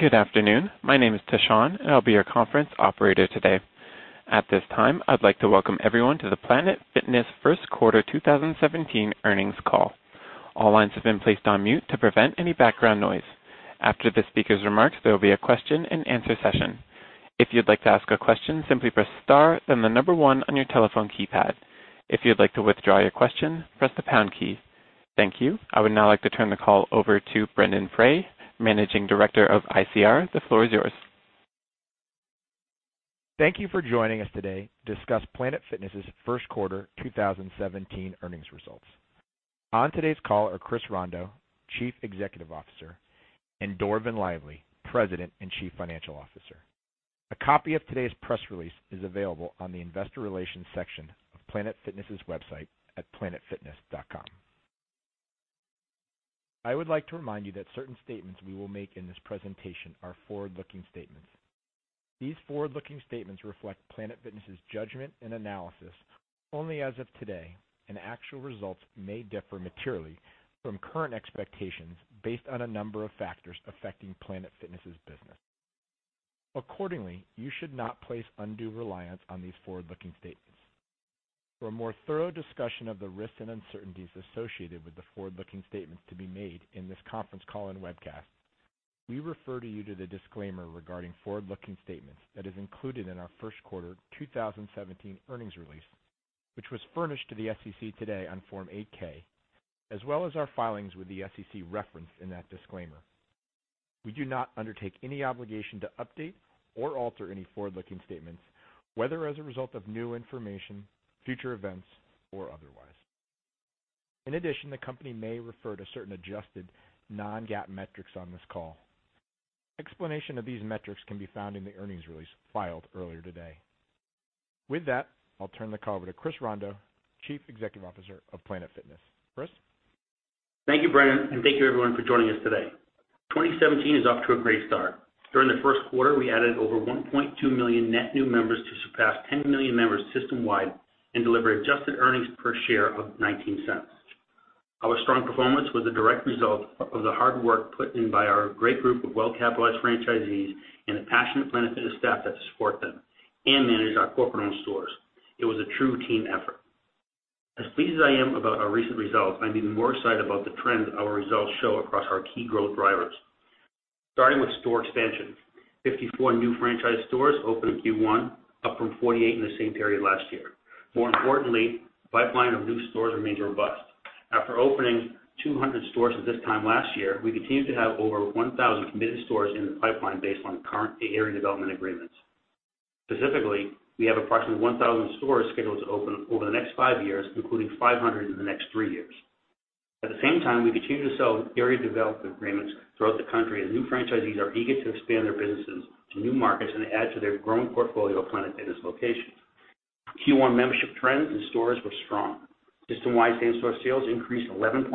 Good afternoon. My name is Tashan, I'll be your conference operator today. At this time, I'd like to welcome everyone to the Planet Fitness First Quarter 2017 Earnings Call. All lines have been placed on mute to prevent any background noise. After the speaker's remarks, there will be a question and answer session. If you'd like to ask a question, simply press star, then the number 1 on your telephone keypad. If you'd like to withdraw your question, press the pound key. Thank you. I would now like to turn the call over to Brendon Frey, Managing Director of ICR. The floor is yours. Thank you for joining us today to discuss Planet Fitness' first quarter 2017 earnings results. On today's call are Chris Rondeau, Chief Executive Officer, and Dorvin Lively, President and Chief Financial Officer. A copy of today's press release is available on the investor relations section of Planet Fitness' website at planetfitness.com. I would like to remind you that certain statements we will make in this presentation are forward-looking statements. These forward-looking statements reflect Planet Fitness' judgment and analysis only as of today. Actual results may differ materially from current expectations based on a number of factors affecting Planet Fitness' business. Accordingly, you should not place undue reliance on these forward-looking statements. For a more thorough discussion of the risks and uncertainties associated with the forward-looking statements to be made in this conference call and webcast, we refer you to the disclaimer regarding forward-looking statements that is included in our first quarter 2017 earnings release, which was furnished to the SEC today on Form 8-K, as well as our filings with the SEC referenced in that disclaimer. We do not undertake any obligation to update or alter any forward-looking statements, whether as a result of new information, future events, or otherwise. In addition, the company may refer to certain adjusted non-GAAP metrics on this call. Explanation of these metrics can be found in the earnings release filed earlier today. With that, I'll turn the call over to Chris Rondeau, Chief Executive Officer of Planet Fitness. Chris? Thank you, Brendon, and thank you, everyone, for joining us today. 2017 is off to a great start. During the first quarter, we added over 1.2 million net new members to surpass 10 million members system-wide and deliver adjusted earnings per share of $0.19. Our strong performance was a direct result of the hard work put in by our great group of well-capitalized franchisees and the passionate Planet Fitness staff that support them and manage our corporate-owned stores. It was a true team effort. As pleased as I am about our recent results, I'm even more excited about the trends our results show across our key growth drivers. Starting with store expansion, 54 new franchise stores opened in Q1, up from 48 in the same period last year. More importantly, the pipeline of new stores remains robust. After opening 200 stores at this time last year, we continue to have over 1,000 committed stores in the pipeline based on current area development agreements. Specifically, we have approximately 1,000 stores scheduled to open over the next five years, including 500 in the next three years. At the same time, we continue to sell area development agreements throughout the country, as new franchisees are eager to expand their businesses to new markets and add to their growing portfolio of Planet Fitness locations. Q1 membership trends in stores were strong. System-wide same-store sales increased 11.1%,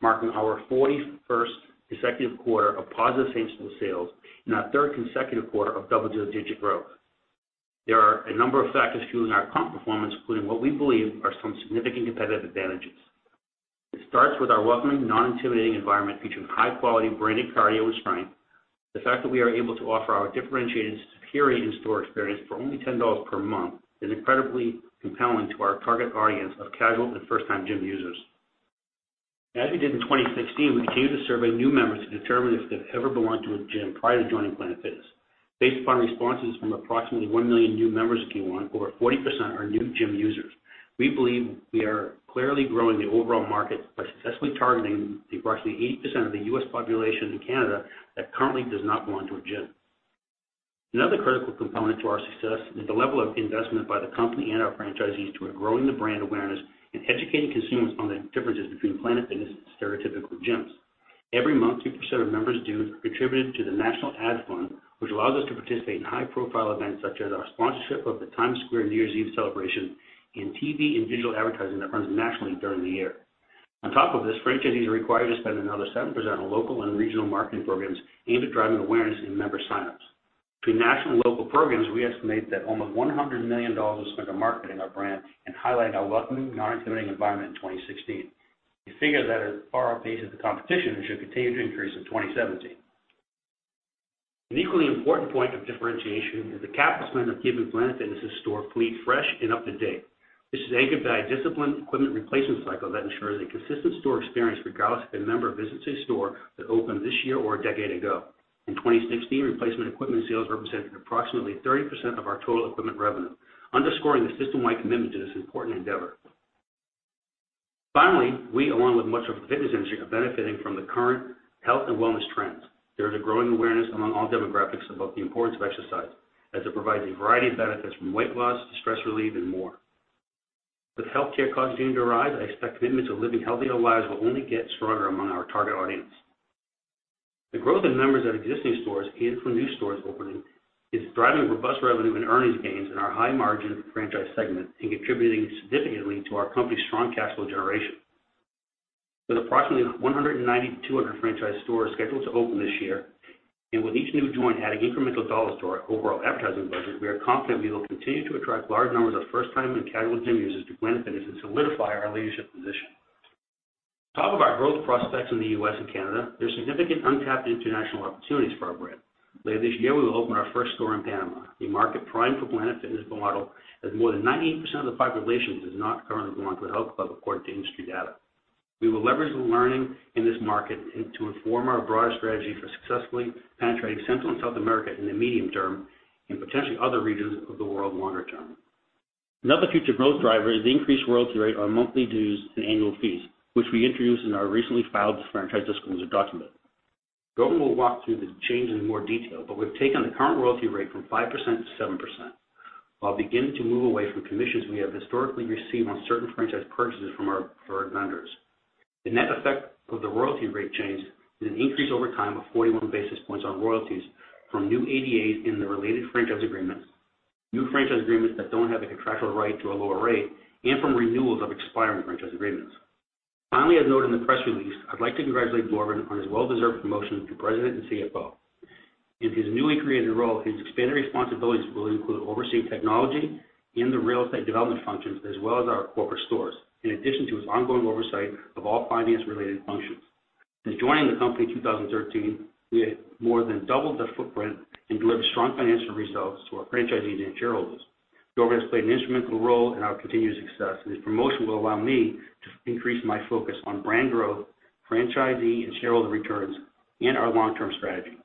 marking our 41st consecutive quarter of positive same-store sales and our third consecutive quarter of double-digit growth. There are a number of factors fueling our comp performance, including what we believe are some significant competitive advantages. It starts with our welcoming, non-intimidating environment featuring high-quality branded cardio and strength. The fact that we are able to offer our differentiated, superior in-store experience for only $10 per month is incredibly compelling to our target audience of casual and first-time gym users. As we did in 2016, we continue to survey new members to determine if they've ever belonged to a gym prior to joining Planet Fitness. Based upon responses from approximately one million new members in Q1, over 40% are new gym users. We believe we are clearly growing the overall market by successfully targeting the approximately 80% of the U.S. population and Canada that currently does not belong to a gym. Another critical component to our success is the level of investment by the company and our franchisees to growing the brand awareness and educating consumers on the differences between Planet Fitness and stereotypical gyms. Every month, 2% of members' dues are contributed to the national ad fund, which allows us to participate in high-profile events such as our sponsorship of the Times Square New Year's Eve celebration and TV and digital advertising that runs nationally during the year. On top of this, franchisees are required to spend another 7% on local and regional marketing programs aimed at driving awareness and member sign-ups. Between national and local programs, we estimate that almost $100 million was spent on marketing our brand and highlighting our welcoming, non-intimidating environment in 2016. We figure that as far outpaces the competition, it should continue to increase in 2017. An equally important point of differentiation is the capital spend of keeping Planet Fitness's stores fleet fresh and up to date. This is anchored by a disciplined equipment replacement cycle that ensures a consistent store experience regardless if a member visits a store that opened this year or a decade ago. In 2016, replacement equipment sales represented approximately 30% of our total equipment revenue, underscoring the system-wide commitment to this important endeavor. Finally, we, along with much of the fitness industry, are benefiting from the current health and wellness trends. There is a growing awareness among all demographics about the importance of exercise, as it provides a variety of benefits from weight loss to stress relief and more. With healthcare costs continuing to rise, I expect commitments of living healthier lives will only get stronger among our target audience. The growth in members at existing stores and from new stores opening is driving robust revenue and earnings gains in our high-margin franchise segment and contributing significantly to our company's strong cash flow generation. With approximately 190 to 200 franchise stores scheduled to open this year, and with each new joint adding incremental $ to our overall advertising budget, we are confident we will continue to attract large numbers of first-time and casual gym users to Planet Fitness and solidify our leadership position. Top of our growth prospects in the U.S. and Canada, there's significant untapped international opportunities for our brand. Later this year, we will open our first store in Panama, a market primed for Planet Fitness model, as more than 98% of the population does not currently belong to a health club, according to industry data. We will leverage the learning in this market to inform our broader strategy for successfully penetrating Central and South America in the medium term, and potentially other regions of the world longer term. Another future growth driver is the increased royalty rate on monthly dues and annual fees, which we introduced in our recently filed franchise disclosure document. Dorvin will walk through the change in more detail, but we've taken the current royalty rate from 5% to 7%, while beginning to move away from commissions we have historically received on certain franchise purchases from our preferred vendors. The net effect of the royalty rate change is an increase over time of 41 basis points on royalties from new ADAs in the related franchise agreements, new franchise agreements that don't have a contractual right to a lower rate, and from renewals of expiring franchise agreements. Finally, as noted in the press release, I'd like to congratulate Dorvin on his well-deserved promotion to President and CFO. In his newly created role, his expanded responsibilities will include overseeing technology and the real estate development functions, as well as our corporate stores, in addition to his ongoing oversight of all finance-related functions. Since joining the company in 2013, we have more than doubled the footprint and delivered strong financial results to our franchisees and shareholders. Dorvin has played an instrumental role in our continued success, and his promotion will allow me to increase my focus on brand growth, franchisee and shareholder returns, and our long-term strategy.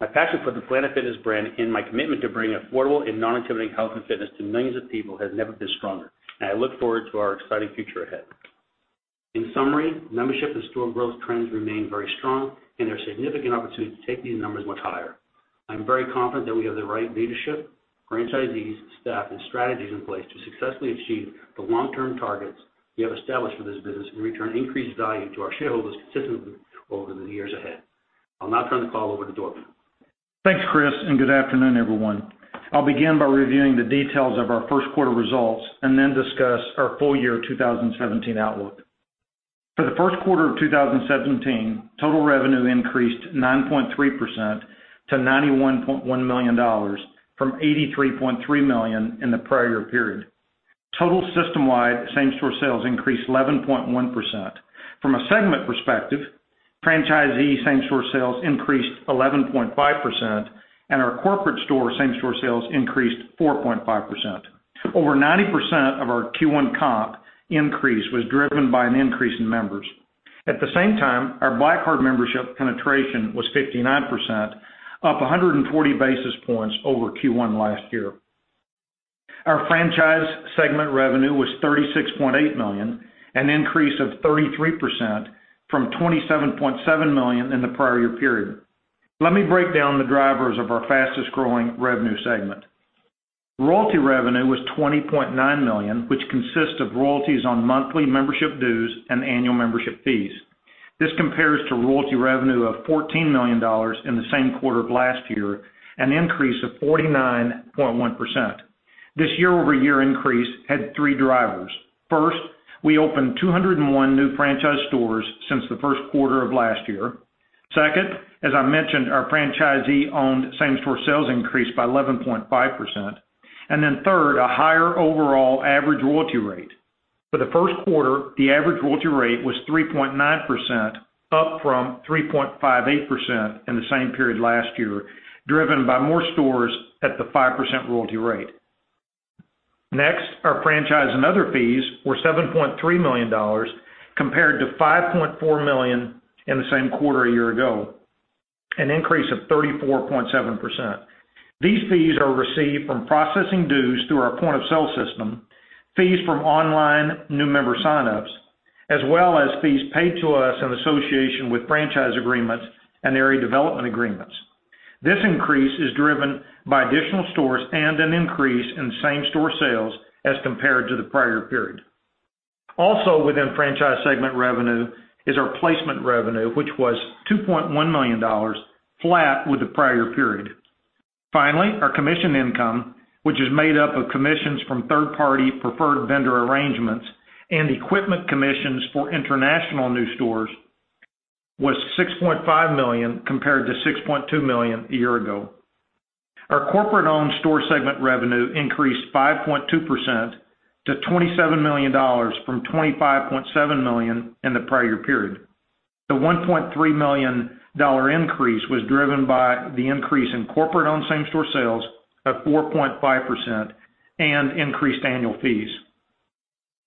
My passion for the Planet Fitness brand and my commitment to bringing affordable and non-intimidating health and fitness to millions of people has never been stronger, and I look forward to our exciting future ahead. In summary, membership and store growth trends remain very strong, and there are significant opportunities to take these numbers much higher. I'm very confident that we have the right leadership, franchisees, staff, and strategies in place to successfully achieve the long-term targets we have established for this business and return increased value to our shareholders consistently over the years ahead. I'll now turn the call over to Dorvin. Thanks, Chris, and good afternoon, everyone. I'll begin by reviewing the details of our first quarter results and then discuss our full year 2017 outlook. For the first quarter of 2017, total revenue increased 9.3% to $91.1 million, from $83.3 million in the prior year period. Total system-wide same-store sales increased 11.1%. From a segment perspective, franchisee same-store sales increased 11.5%, and our corporate store same-store sales increased 4.5%. Over 90% of our Q1 comp increase was driven by an increase in members. At the same time, our Black Card membership penetration was 59%, up 140 basis points over Q1 last year. Our franchise segment revenue was $36.8 million, an increase of 33% from $27.7 million in the prior year period. Let me break down the drivers of our fastest-growing revenue segment. Royalty revenue was $20.9 million, which consists of royalties on monthly membership dues and annual membership fees. This compares to royalty revenue of $14 million in the same quarter of last year, an increase of 49.1%. This year-over-year increase had three drivers. First, we opened 201 new franchise stores since the first quarter of last year. Second, as I mentioned, our franchisee-owned same-store sales increased by 11.5%. Third, a higher overall average royalty rate. For the first quarter, the average royalty rate was 3.9%, up from 3.58% in the same period last year, driven by more stores at the 5% royalty rate. Next, our franchise and other fees were $7.3 million, compared to $5.4 million in the same quarter a year ago, an increase of 34.7%. These fees are received from processing dues through our point-of-sale system, fees from online new member sign-ups, as well as fees paid to us in association with franchise agreements and area development agreements. This increase is driven by additional stores and an increase in same-store sales as compared to the prior period. Also within franchise segment revenue is our placement revenue, which was $2.1 million, flat with the prior period. Finally, our commission income, which is made up of commissions from third-party preferred vendor arrangements and equipment commissions for international new stores, was $6.5 million, compared to $6.2 million a year ago. Our corporate-owned store segment revenue increased 5.2% to $27 million, from $25.7 million in the prior period. The $1.3 million increase was driven by the increase in corporate-owned same-store sales of 4.5% and increased annual fees.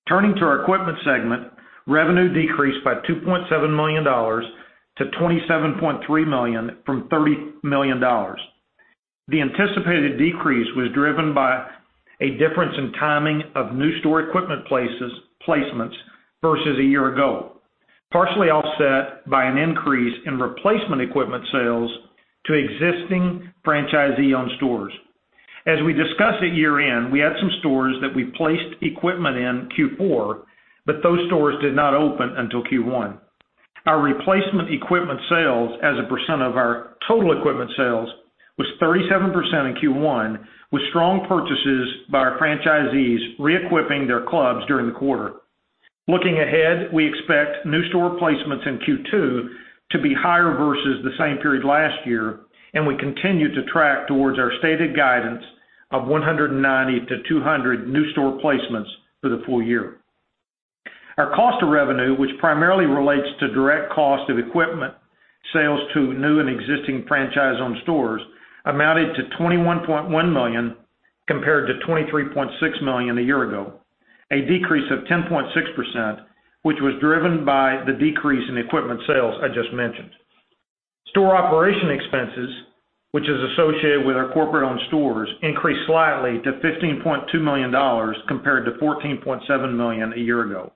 Turning to our equipment segment, revenue decreased by $2.7 million to $27.3 million, from $30 million. The anticipated decrease was driven by a difference in timing of new store equipment placements versus a year ago, partially offset by an increase in replacement equipment sales to existing franchisee-owned stores. As we discussed at year-end, we had some stores that we placed equipment in Q4, but those stores did not open until Q1. Our replacement equipment sales as a percent of our total equipment sales was 37% in Q1, with strong purchases by our franchisees reequipping their clubs during the quarter. Looking ahead, we expect new store placements in Q2 to be higher versus the same period last year, and we continue to track towards our stated guidance of 190 to 200 new store placements for the full year. Our cost of revenue, which primarily relates to direct cost of equipment sales to new and existing franchise-owned stores, amounted to $21.1 million compared to $23.6 million a year ago. A decrease of 10.6%, which was driven by the decrease in equipment sales I just mentioned. Store operation expenses, which is associated with our corporate-owned stores, increased slightly to $15.2 million compared to $14.7 million a year ago.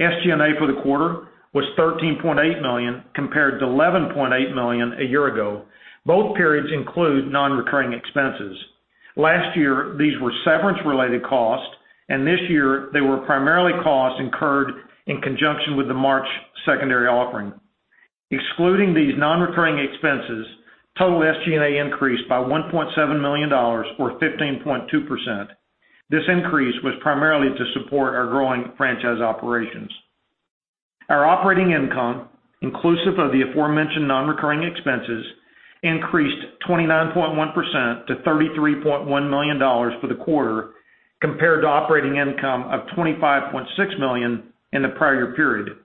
SG&A for the quarter was $13.8 million compared to $11.8 million a year ago. Both periods include non-recurring expenses. Last year, these were severance-related costs, and this year they were primarily costs incurred in conjunction with the March secondary offering. Excluding these non-recurring expenses, total SG&A increased by $1.7 million or 15.2%. This increase was primarily to support our growing franchise operations. Our operating income, inclusive of the aforementioned non-recurring expenses, increased 29.1% to $33.1 million for the quarter compared to operating income of $25.6 million in the prior period.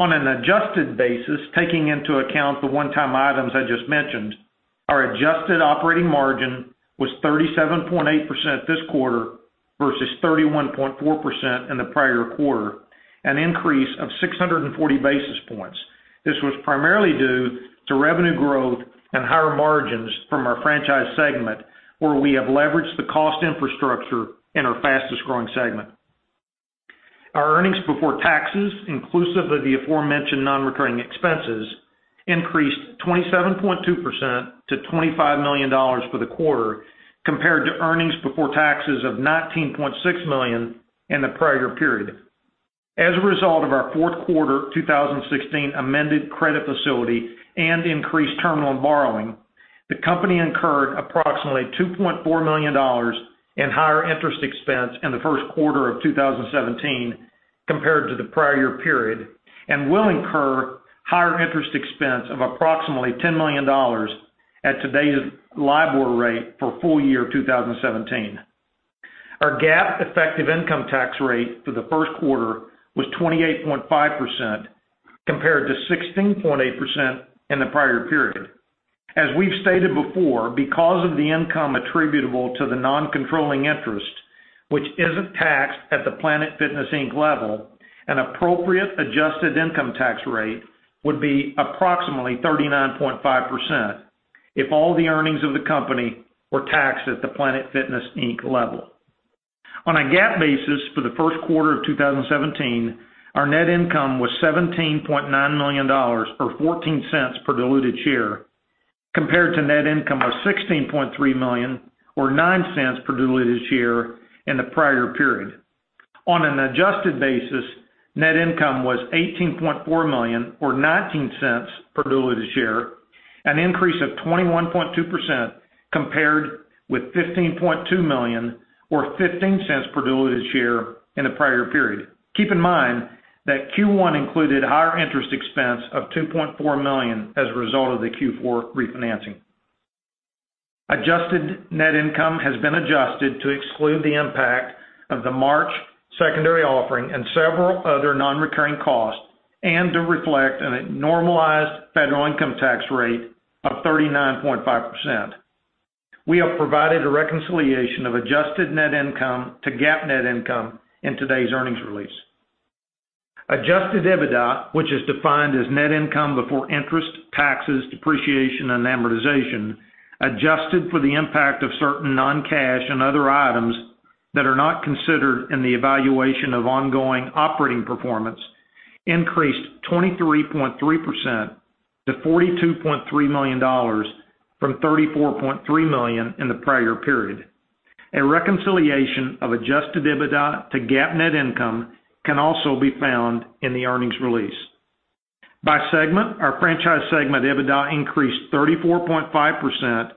On an adjusted basis, taking into account the one-time items I just mentioned, our adjusted operating margin was 37.8% this quarter versus 31.4% in the prior quarter, an increase of 640 basis points. This was primarily due to revenue growth and higher margins from our franchise segment, where we have leveraged the cost infrastructure in our fastest-growing segment. Our earnings before taxes, inclusive of the aforementioned non-recurring expenses, increased 27.2% to $25 million for the quarter compared to earnings before taxes of $19.6 million in the prior period. As a result of our fourth quarter 2016 amended credit facility and increased terminal borrowing, the company incurred approximately $2.4 million in higher interest expense in the first quarter of 2017 compared to the prior year period, and will incur higher interest expense of approximately $10 million at today's LIBOR rate for full year 2017. Our GAAP effective income tax rate for the first quarter was 28.5% compared to 16.8% in the prior period. As we've stated before, because of the income attributable to the non-controlling interest, which isn't taxed at the Planet Fitness, Inc. level, an appropriate adjusted income tax rate would be approximately 39.5% if all the earnings of the company were taxed at the Planet Fitness, Inc. level. On a GAAP basis for the first quarter of 2017, our net income was $17.9 million or $0.14 per diluted share, compared to net income of $16.3 million or $0.09 per diluted share in the prior period. On an adjusted basis, net income was $18.4 million or $0.19 per diluted share, an increase of 21.2% compared with $15.2 million or $0.15 per diluted share in the prior period. Keep in mind that Q1 included higher interest expense of $2.4 million as a result of the Q4 refinancing. Adjusted net income has been adjusted to exclude the impact of the March secondary offering and several other non-recurring costs, and to reflect a normalized federal income tax rate of 39.5%. We have provided a reconciliation of adjusted net income to GAAP net income in today's earnings release. Adjusted EBITDA, which is defined as net income before interest, taxes, depreciation, and amortization, adjusted for the impact of certain non-cash and other items that are not considered in the evaluation of ongoing operating performance, increased 23.3% to $42.3 million from $34.3 million in the prior period. A reconciliation of adjusted EBITDA to GAAP net income can also be found in the earnings release. By segment, our franchise segment EBITDA increased 34.5%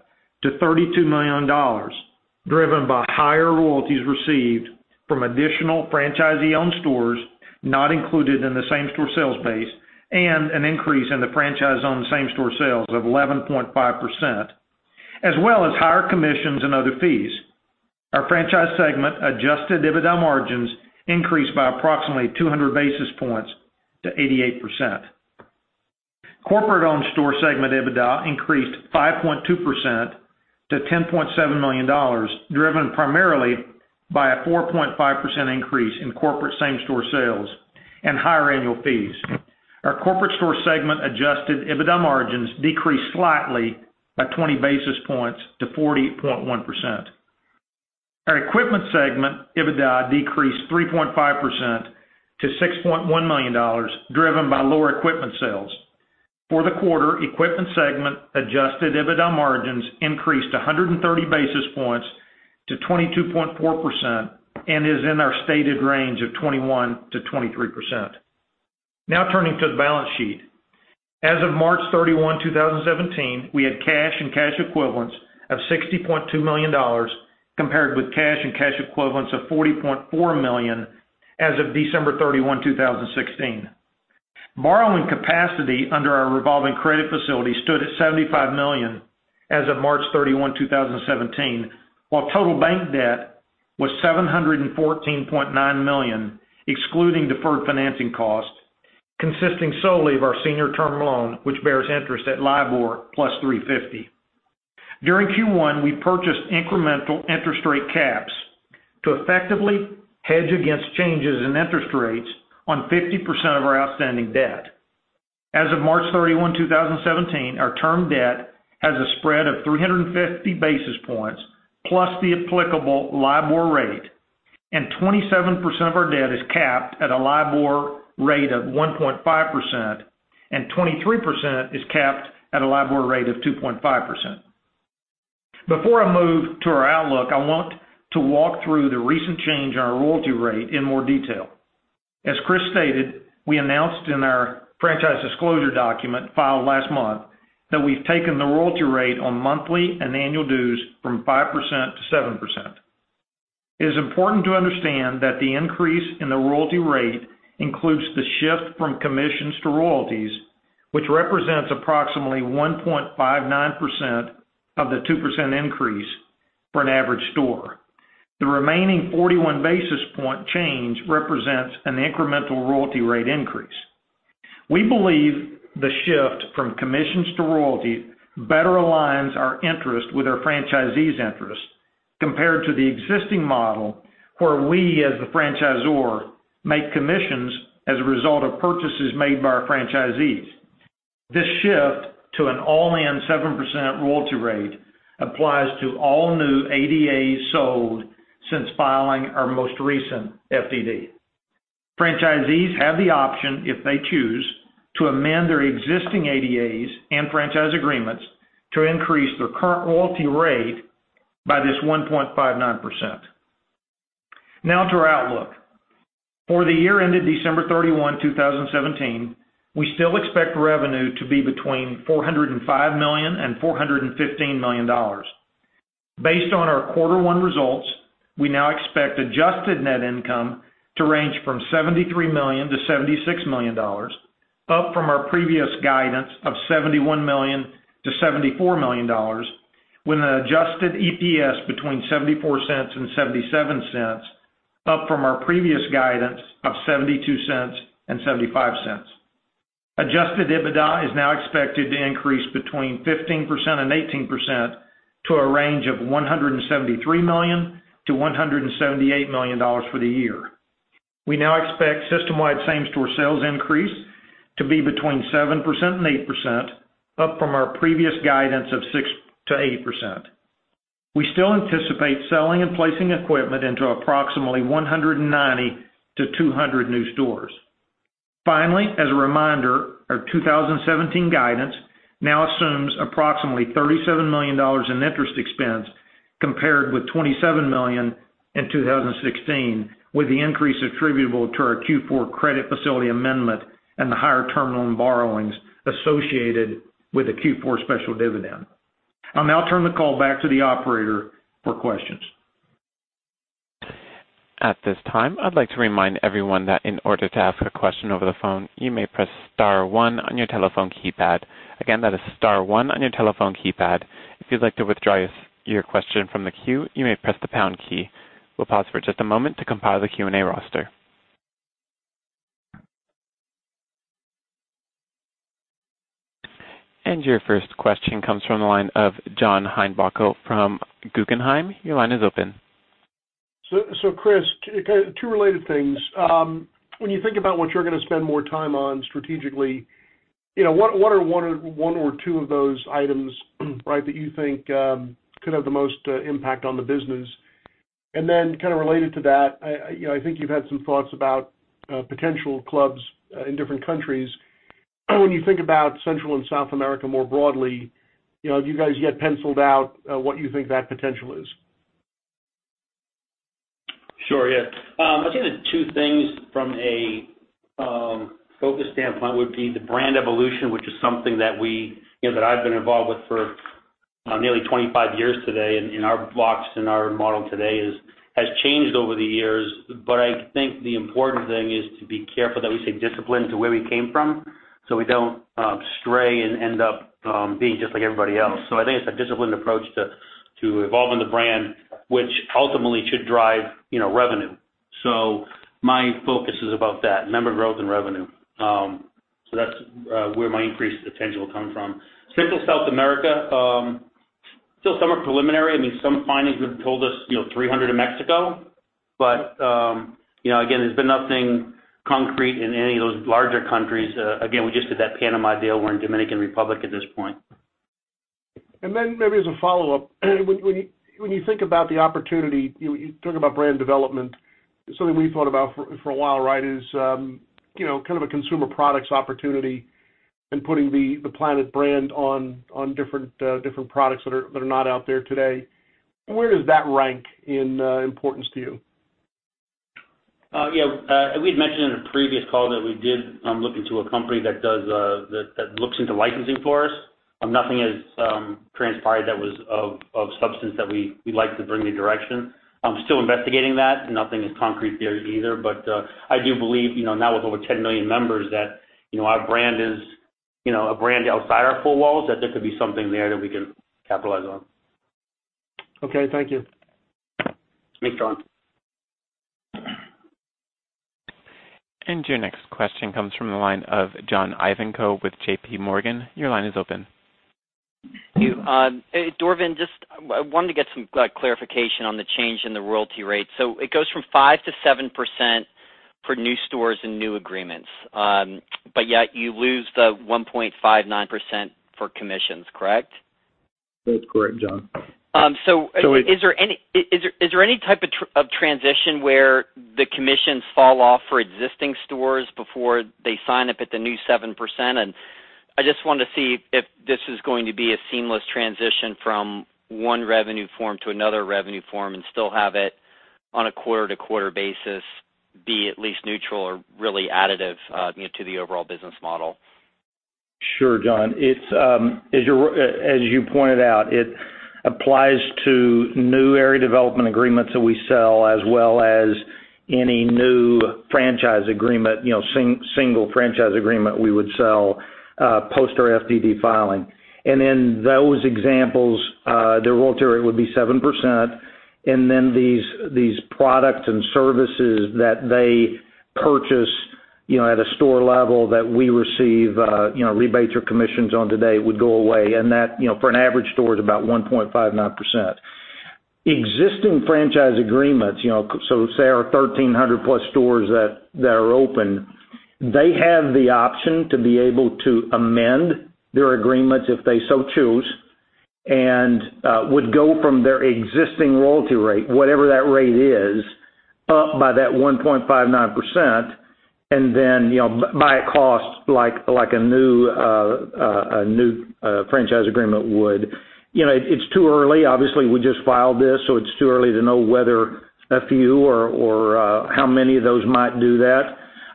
to $32 million, driven by higher royalties received from additional franchisee-owned stores not included in the same-store sales base and an increase in the franchise-owned same-store sales of 11.5%, as well as higher commissions and other fees. Our franchise segment adjusted EBITDA margins increased by approximately 200 basis points to 88%. Corporate-owned store segment EBITDA increased 5.2% to $10.7 million, driven primarily by a 4.5% increase in corporate same-store sales and higher annual fees. Our corporate store segment adjusted EBITDA margins decreased slightly by 20 basis points to 40.1%. Our equipment segment EBITDA decreased 3.5% to $6.1 million, driven by lower equipment sales. For the quarter, equipment segment adjusted EBITDA margins increased 130 basis points to 22.4% and is in our stated range of 21%-23%. Turning to the balance sheet. As of March 31, 2017, we had cash and cash equivalents of $60.2 million compared with cash and cash equivalents of $40.4 million as of December 31, 2016. Borrowing capacity under our revolving credit facility stood at $75 million as of March 31, 2017, while total bank debt was $714.9 million, excluding deferred financing cost, consisting solely of our senior term loan, which bears interest at LIBOR plus 350 basis points. During Q1, we purchased incremental interest rate caps to effectively hedge against changes in interest rates on 50% of our outstanding debt. As of March 31, 2017, our term debt has a spread of 350 basis points plus the applicable LIBOR rate, and 27% of our debt is capped at a LIBOR rate of 1.5%, and 23% is capped at a LIBOR rate of 2.5%. Before I move to our outlook, I want to walk through the recent change in our royalty rate in more detail. As Chris stated, we announced in our franchise disclosure document filed last month that we've taken the royalty rate on monthly and annual dues from 5%-7%. It is important to understand that the increase in the royalty rate includes the shift from commissions to royalties, which represents approximately 1.59% of the 2% increase for an average store. The remaining 41 basis point change represents an incremental royalty rate increase. We believe the shift from commissions to royalties better aligns our interest with our franchisees' interest, compared to the existing model, where we, as the franchisor, make commissions as a result of purchases made by our franchisees. This shift to an all-in 7% royalty rate applies to all new ADAs sold since filing our most recent FDD. Franchisees have the option, if they choose, to amend their existing ADAs and franchise agreements to increase their current royalty rate by this 1.59%. To our outlook. For the year ended December 31, 2017, we still expect revenue to be between $405 million and $415 million. Based on our quarter one results, we now expect adjusted net income to range from $73 million to $76 million, up from our previous guidance of $71 million to $74 million, with an adjusted EPS between $0.74 and $0.77, up from our previous guidance of $0.72 and $0.75. Adjusted EBITDA is now expected to increase 15%-18% to a range of $173 million to $178 million for the year. We now expect system-wide same-store sales increase to be 7%-8%, up from our previous guidance of 6%-8%. We still anticipate selling and placing equipment into approximately 190-200 new stores. As a reminder, our 2017 guidance now assumes approximately $37 million in interest expense, compared with $27 million in 2016, with the increase attributable to our Q4 credit facility amendment and the higher term loan borrowings associated with the Q4 special dividend. I'll now turn the call back to the operator for questions. At this time, I'd like to remind everyone that in order to ask a question over the phone, you may press star one on your telephone keypad. Again, that is star one on your telephone keypad. If you'd like to withdraw your question from the queue, you may press the pound key. We'll pause for just a moment to compile the Q&A roster. Your first question comes from the line of John Heinbockel from Guggenheim. Your line is open. Chris, two related things. When you think about what you're going to spend more time on strategically, what are one or two of those items, right, that you think could have the most impact on the business? Kind of related to that, I think you've had some thoughts about potential clubs in different countries. When you think about Central and South America more broadly, have you guys yet penciled out what you think that potential is? Sure. Yeah. I'd say the two things from a focus standpoint would be the brand evolution, which is something that I've been involved with for nearly 25 years today, and our blocks and our model today has changed over the years. I think the important thing is to be careful that we stay disciplined to where we came from so we don't stray and end up being just like everybody else. I think it's a disciplined approach to evolving the brand, which ultimately should drive revenue. My focus is about that, member growth and revenue. That's where my increased potential comes from. Central South America, still somewhat preliminary. Some findings have told us 300 in Mexico, there's been nothing concrete in any of those larger countries. Again, we just did that Panama deal. We're in Dominican Republic at this point. Maybe as a follow-up, when you think about the opportunity, you talk about brand development, something we thought about for a while, right, is kind of a consumer products opportunity and putting the Planet Fitness brand on different products that are not out there today. Where does that rank in importance to you? Yeah. We had mentioned in a previous call that we did look into a company that looks into licensing for us. Nothing has transpired that was of substance that we'd like to bring the direction. Still investigating that. Nothing is concrete there either. I do believe, now with over 10 million members, that our brand is a brand outside our four walls, that there could be something there that we can capitalize on. Okay. Thank you. Thanks, John. Your next question comes from the line of John Ivankoe with JPMorgan. Your line is open. Thank you. Dorvin, just wanted to get some clarification on the change in the royalty rate. It goes from 5% to 7% for new stores and new agreements. Yet you lose the 1.59% for commissions, correct? That's correct, John. Is there any type of transition where the commissions fall off for existing stores before they sign up at the new 7%? I just wanted to see if this is going to be a seamless transition from one revenue form to another revenue form and still have it on a quarter-to-quarter basis, be at least neutral or really additive to the overall business model. Sure, John. As you pointed out, it applies to new area development agreements that we sell as well as any new franchise agreement, single franchise agreement we would sell post our FDD filing. In those examples, the royalty rate would be 7%. These products and services that they purchase at a store level that we receive rebates or commissions on today would go away. That, for an average store, is about 1.59%. Existing franchise agreements, so say our 1,300-plus stores that are open, they have the option to be able to amend their agreements if they so choose, and would go from their existing royalty rate, whatever that rate is, up by that 1.59%, and then by a cost like a new franchise agreement would. It's too early. Obviously, we just filed this, so it's too early to know whether a few or how many of those might do that.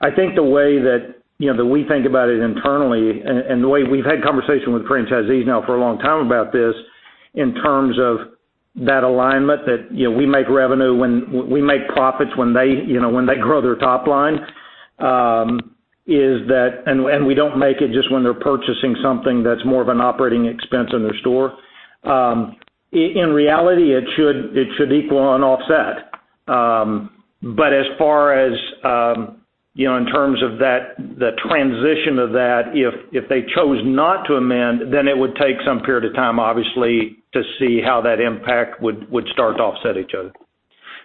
I think the way that we think about it internally and the way we've had conversation with franchisees now for a long time about this, in terms of that alignment, that we make revenue when we make profits when they grow their top line, and we don't make it just when they're purchasing something that's more of an operating expense in their store. In reality, it should equal and offset. As far as in terms of the transition of that, if they chose not to amend, then it would take some period of time, obviously, to see how that impact would start to offset each other.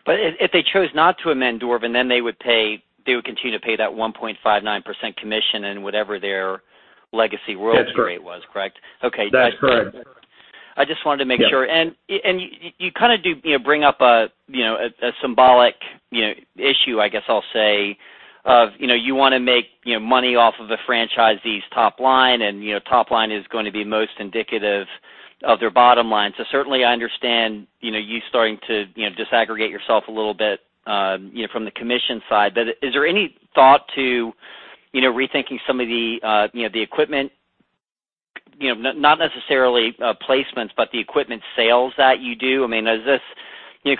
If they chose not to amend, Dorvin, then they would continue to pay that 1.59% commission and whatever their legacy royalty rate was, correct? That's correct. Okay. I just wanted to make sure. Yeah. You kind of do bring up a symbolic issue, I guess I'll say, of you want to make money off of the franchisee's top line, and top line is going to be most indicative of their bottom line. Certainly, I understand you starting to disaggregate yourself a little bit from the commission side. Is there any thought to rethinking some of the equipment, not necessarily placements, but the equipment sales that you do? Is this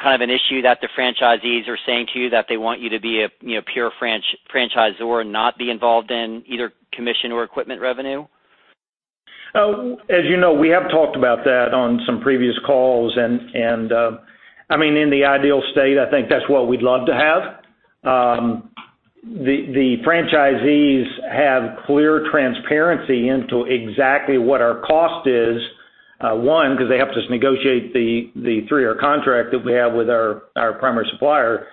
kind of an issue that the franchisees are saying to you that they want you to be a pure franchisor and not be involved in either commission or equipment revenue? As you know, we have talked about that on some previous calls. In the ideal state, I think that's what we'd love to have. The franchisees have clear transparency into exactly what our cost is. One, because they help us negotiate the three-year contract that we have with our primary supplier.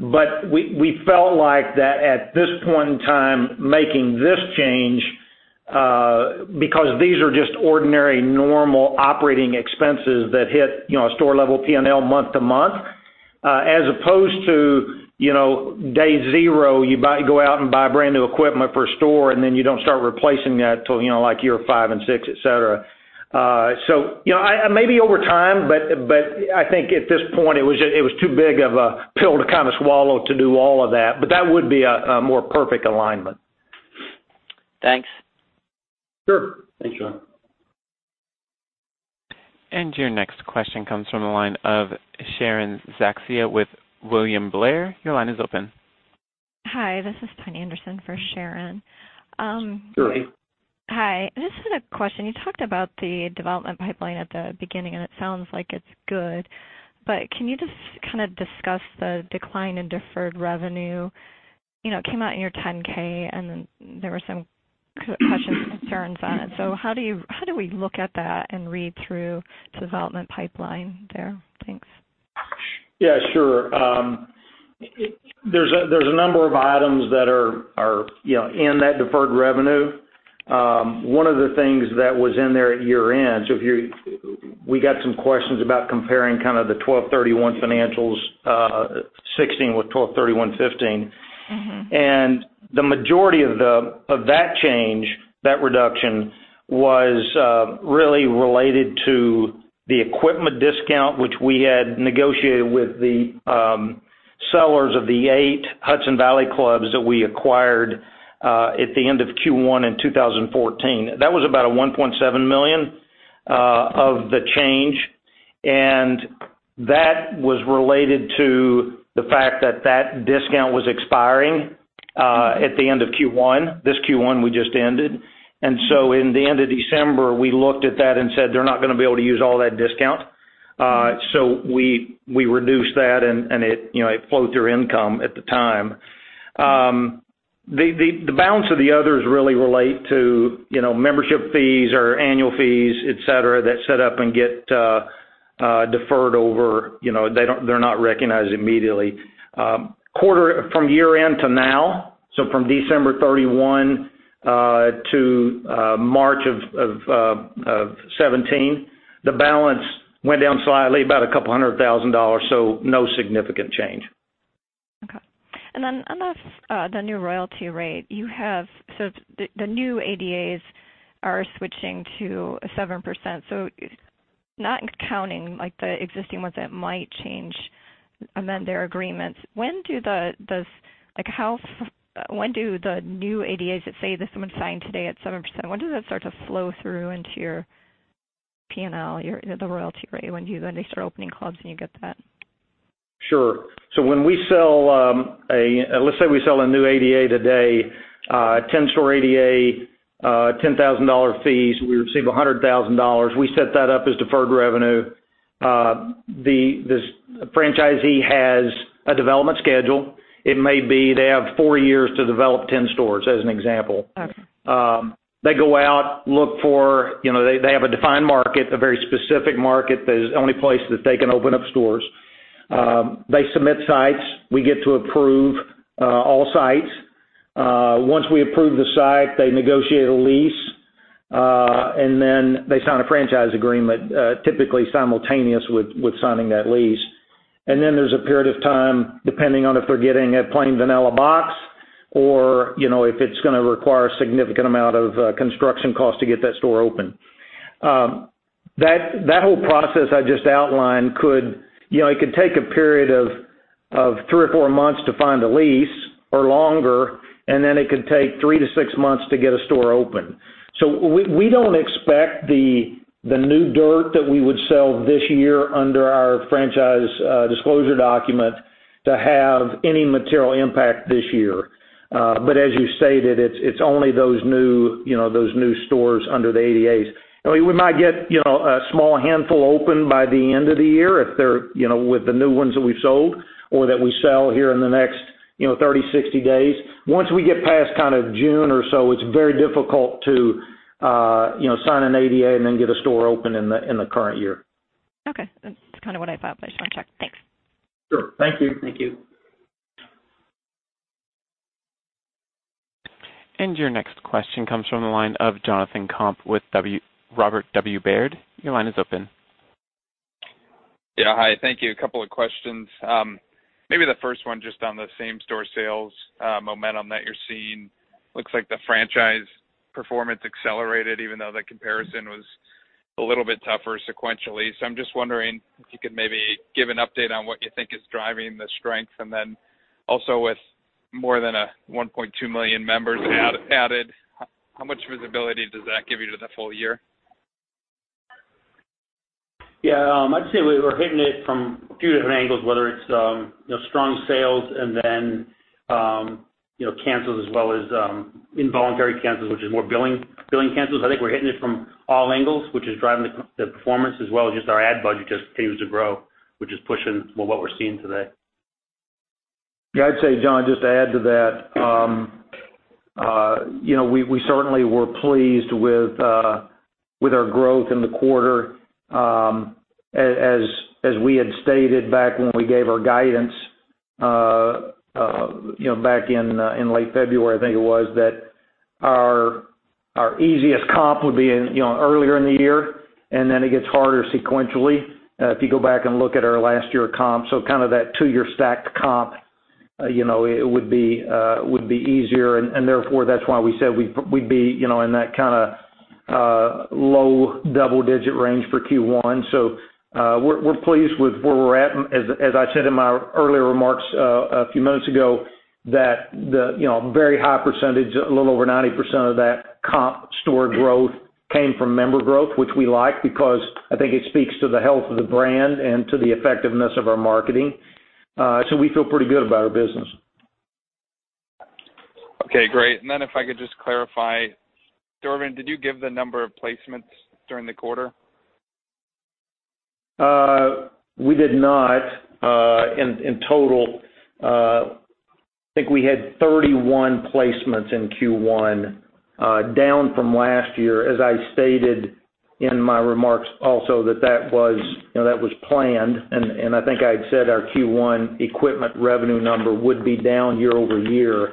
We felt like that at this point in time, making this change, because these are just ordinary, normal operating expenses that hit a store level P&L month to month, as opposed to day zero, you go out and buy brand new equipment for a store, and then you don't start replacing that till year five and six, et cetera. Maybe over time, but I think at this point it was too big of a pill to kind of swallow to do all of that. That would be a more perfect alignment. Thanks. Sure. Thanks, John. Your next question comes from the line of Sharon Zackfia with William Blair. Your line is open. Hi, this is Tania Anderson for Sharon. Hi. Hi. This is a question. You talked about the development pipeline at the beginning, and it sounds like it's good. Can you just kind of discuss the decline in deferred revenue? It came out in your 10-K, there were some questions and concerns on it. How do we look at that and read through development pipeline there? Thanks. Yeah, sure. There's a number of items that are in that deferred revenue. One of the things that was in there at year-end, we got some questions about comparing kind of the 12/31 financials, 2016 with 12/31/2015. The majority of that change, that reduction, was really related to the equipment discount, which we had negotiated with the sellers of the eight Hudson Valley clubs that we acquired at the end of Q1 in 2014. That was about a $1.7 million of the change, and that was related to the fact that discount was expiring at the end of Q1. This Q1, we just ended. At the end of December, we looked at that and said, "They're not going to be able to use all that discount." We reduced that, and it flowed through income at the time. The balance of the others really relate to membership fees or annual fees, et cetera, that set up and get deferred over. They're not recognized immediately. From year-end to now, so from December 31 to March of 2017, the balance went down slightly, about $200,000, no significant change. Okay. Then on the new royalty rate, the new ADAs are switching to 7%. Not counting the existing ones that might amend their agreements, when do the new ADAs that, say if someone signed today at 7%, when does that start to flow through into your P&L, the royalty rate when they start opening clubs and you get that? Sure. Let's say we sell a new ADA today, a 10-store ADA, $10,000 fees. We receive $100,000. We set that up as deferred revenue. The franchisee has a development schedule. It may be they have four years to develop 10 stores, as an example. Okay. They go out, they have a defined market, a very specific market that is the only place that they can open up stores. They submit sites. We get to approve all sites. Once we approve the site, they negotiate a lease, they sign a franchise agreement, typically simultaneous with signing that lease. There's a period of time, depending on if they're getting a plain vanilla box or if it's going to require a significant amount of construction costs to get that store open. That whole process I just outlined could take a period of three or four months to find a lease, or longer, and then it could take three to six months to get a store open. We don't expect the new dirt that we would sell this year under our franchise disclosure document to have any material impact this year. As you stated, it's only those new stores under the ADAs. We might get a small handful open by the end of the year with the new ones that we've sold or that we sell here in the next 30, 60 days. Once we get past June or so, it's very difficult to sign an ADA and then get a store open in the current year. Okay. That's kind of what I thought, but I just want to check. Thanks. Sure. Thank you. Thank you. Your next question comes from the line of Jonathan Komp with Robert W. Baird. Your line is open. Yeah. Hi, thank you. A couple of questions. Maybe the first one just on the same-store sales momentum that you're seeing. Looks like the franchise performance accelerated, even though the comparison was a little bit tougher sequentially. I'm just wondering if you could maybe give an update on what you think is driving the strength, and then also with more than 1.2 million members added, how much visibility does that give you to the full year? Yeah. I'd say we're hitting it from a few different angles, whether it's strong sales and then cancels, as well as involuntary cancels, which is more billing cancels. I think we're hitting it from all angles, which is driving the performance as well as just our ad budget just continues to grow, which is pushing what we're seeing today. Yeah. I'd say, Jon, just to add to that. We certainly were pleased with our growth in the quarter. As we had stated back when we gave our guidance back in late February, I think it was, that our easiest comp would be earlier in the year, and then it gets harder sequentially. If you go back and look at our last year comp, kind of that two-year stacked comp, it would be easier, and therefore, that's why we said we'd be in that kind of low double-digit range for Q1. We're pleased with where we're at. As I said in my earlier remarks a few minutes ago, that the very high percentage, a little over 90% of that comp store growth came from member growth, which we like because I think it speaks to the health of the brand and to the effectiveness of our marketing. We feel pretty good about our business. Okay, great. If I could just clarify, Dorvin, did you give the number of placements during the quarter? We did not. In total, I think we had 31 placements in Q1, down from last year. As I stated in my remarks also, that was planned, I think I had said our Q1 equipment revenue number would be down year-over-year.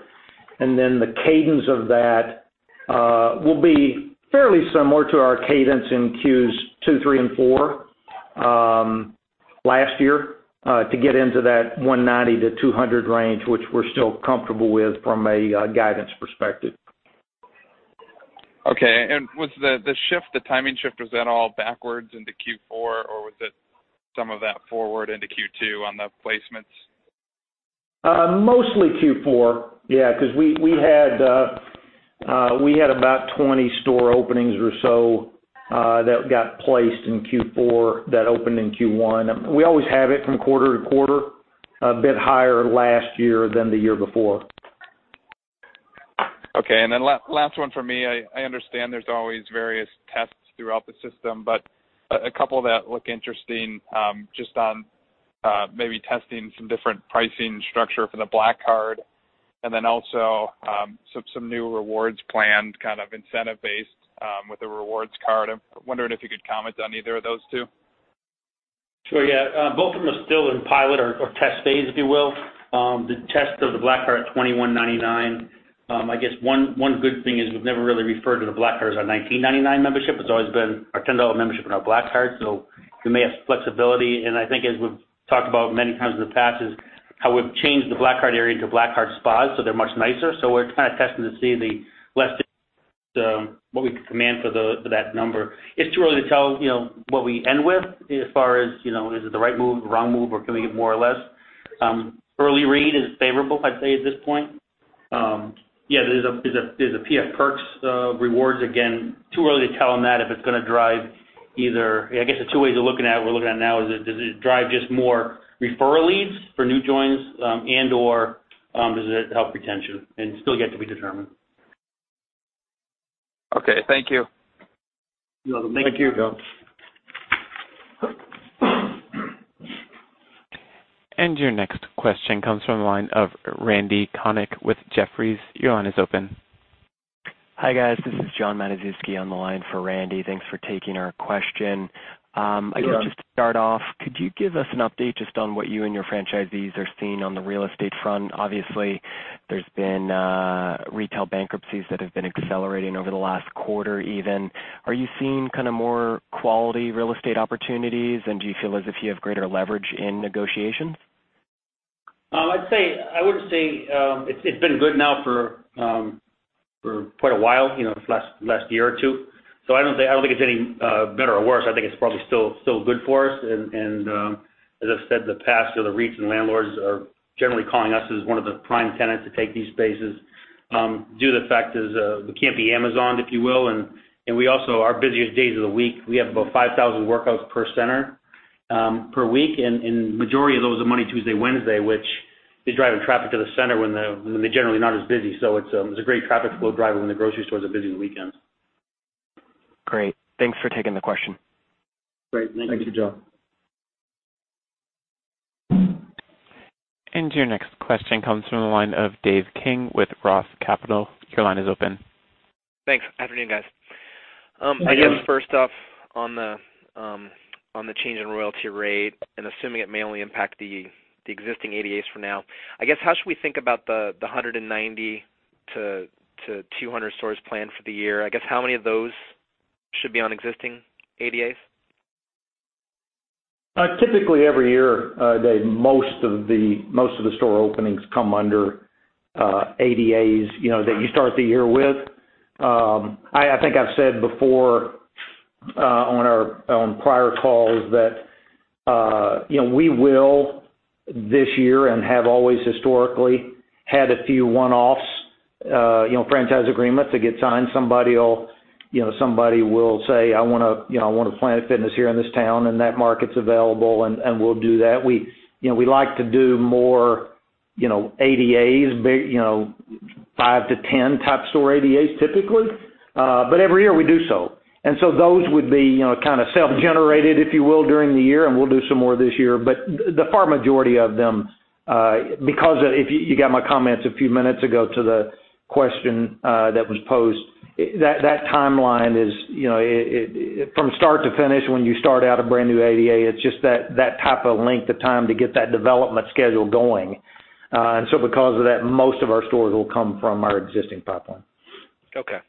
Then the cadence of that will be fairly similar to our cadence in Q2, three, and four last year, to get into that 190-200 range, which we're still comfortable with from a guidance perspective. Okay. Was the timing shift, was that all backwards into Q4? Or was it some of that forward into Q2 on the placements? Mostly Q4, yeah. Because we had about 20 store openings or so that got placed in Q4, that opened in Q1. We always have it from quarter-to-quarter, a bit higher last year than the year before. Okay. Last one for me. I understand there's always various tests throughout the system, but a couple that look interesting, just on maybe testing some different pricing structure for the Black Card and also, some new rewards planned, kind of incentive-based, with a rewards card. I'm wondering if you could comment on either of those two. Sure, yeah. Both of them are still in pilot or test phase, if you will. The test of the Black Card $21.99, I guess one good thing is we've never really referred to the Black Card as our $19.99 membership. It's always been our $10 membership in our Black Card, so we may have flexibility. I think as we've talked about many times in the past, is how we've changed the Black Card area into Black Card Spas, so they're much nicer. We're kind of testing to see what we can command for that number. It's too early to tell what we end with as far as, is it the right move, the wrong move, or can we get more or less? Early read is favorable, I'd say, at this point. Yeah, there's a PF Perks rewards. Again, too early to tell on that if it's going to drive either I guess the two ways we're looking at now is does it drive just more referral leads for new joins and/or does it help retention? Still yet to be determined. Okay. Thank you. You're welcome. Thank you. Thank you. Your next question comes from the line of Randy Konik with Jefferies. Your line is open. Hi, guys. This is Jonathan Matuszewski on the line for Randy. Thanks for taking our question. You're welcome. I guess just to start off, could you give us an update just on what you and your franchisees are seeing on the real estate front? Obviously, there's been retail bankruptcies that have been accelerating over the last quarter even. Are you seeing kind of more quality real estate opportunities? Do you feel as if you have greater leverage in negotiations? I would say, it's been good now for quite a while, this last year or two. I don't think it's any better or worse. I think it's probably still good for us. As I've said in the past, the REITs and landlords are generally calling us as one of the prime tenants to take these spaces, due to the fact is we can't be Amazoned, if you will. Also, our busiest days of the week, we have about 5,000 workouts per center, per week. Majority of those are Monday, Tuesday, Wednesday, which is driving traffic to the center when they're generally not as busy. It's a great traffic flow driver when the grocery stores are busy on the weekends. Great. Thanks for taking the question. Great. Thank you. Thank you, John. Your next question comes from the line of David King with Roth Capital. Your line is open. Thanks. Afternoon, guys. I guess first off, on the change in royalty rate, and assuming it may only impact the existing ADAs for now, I guess how should we think about the 190 to 200 stores planned for the year? I guess how many of those should be on existing ADAs? Typically, every year, Dave, most of the store openings come under ADAs that you start the year with. I think I've said before on prior calls that we will this year, and have always historically, had a few one-offs franchise agreements that get signed. Somebody will say, "I want a Planet Fitness here in this town," and that market's available, and we'll do that. We like to do more ADAs, 5 to 10-type store ADAs, typically. Every year we do so. Those would be kind of self-generated, if you will, during the year, and we'll do some more this year. The far majority of them, because if you got my comments a few minutes ago to the question that was posed, that timeline is, from start to finish, when you start out a brand new ADA, it's just that type of length of time to get that development schedule going. Because of that, most of our stores will come from our existing pipeline. Okay.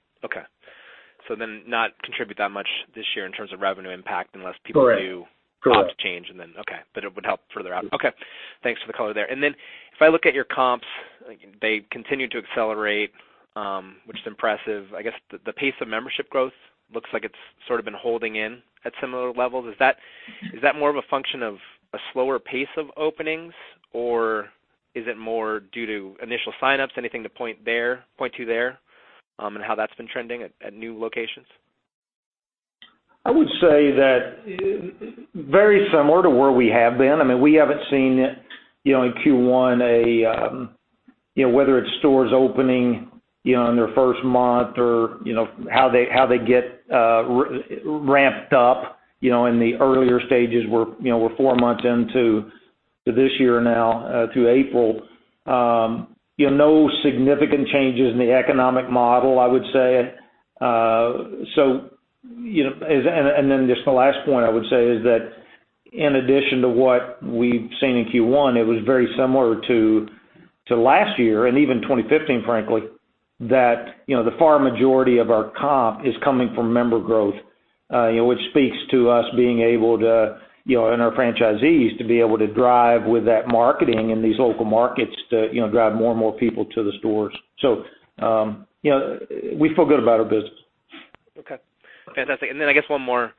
Not contribute that much this year in terms of revenue impact unless people do- Correct comp change and then, okay. It would help further out. Okay. Thanks for the color there. If I look at your comps, they continue to accelerate, which is impressive. I guess the pace of membership growth looks like it's sort of been holding in at similar levels. Is that more of a function of a slower pace of openings, or is it more due to initial sign-ups? Anything to point to there, and how that's been trending at new locations? I would say that very similar to where we have been. We haven't seen, in Q1, whether it's stores opening in their first month or how they get ramped up in the earlier stages. We're four months into this year now, through April. No significant changes in the economic model, I would say. Just the last point I would say is that in addition to what we've seen in Q1, it was very similar to last year and even 2015, frankly, that the far majority of our comp is coming from member growth, which speaks to us and our franchisees to be able to drive with that marketing in these local markets to drive more and more people to the stores. We feel good about our business. Okay, fantastic. I guess one more.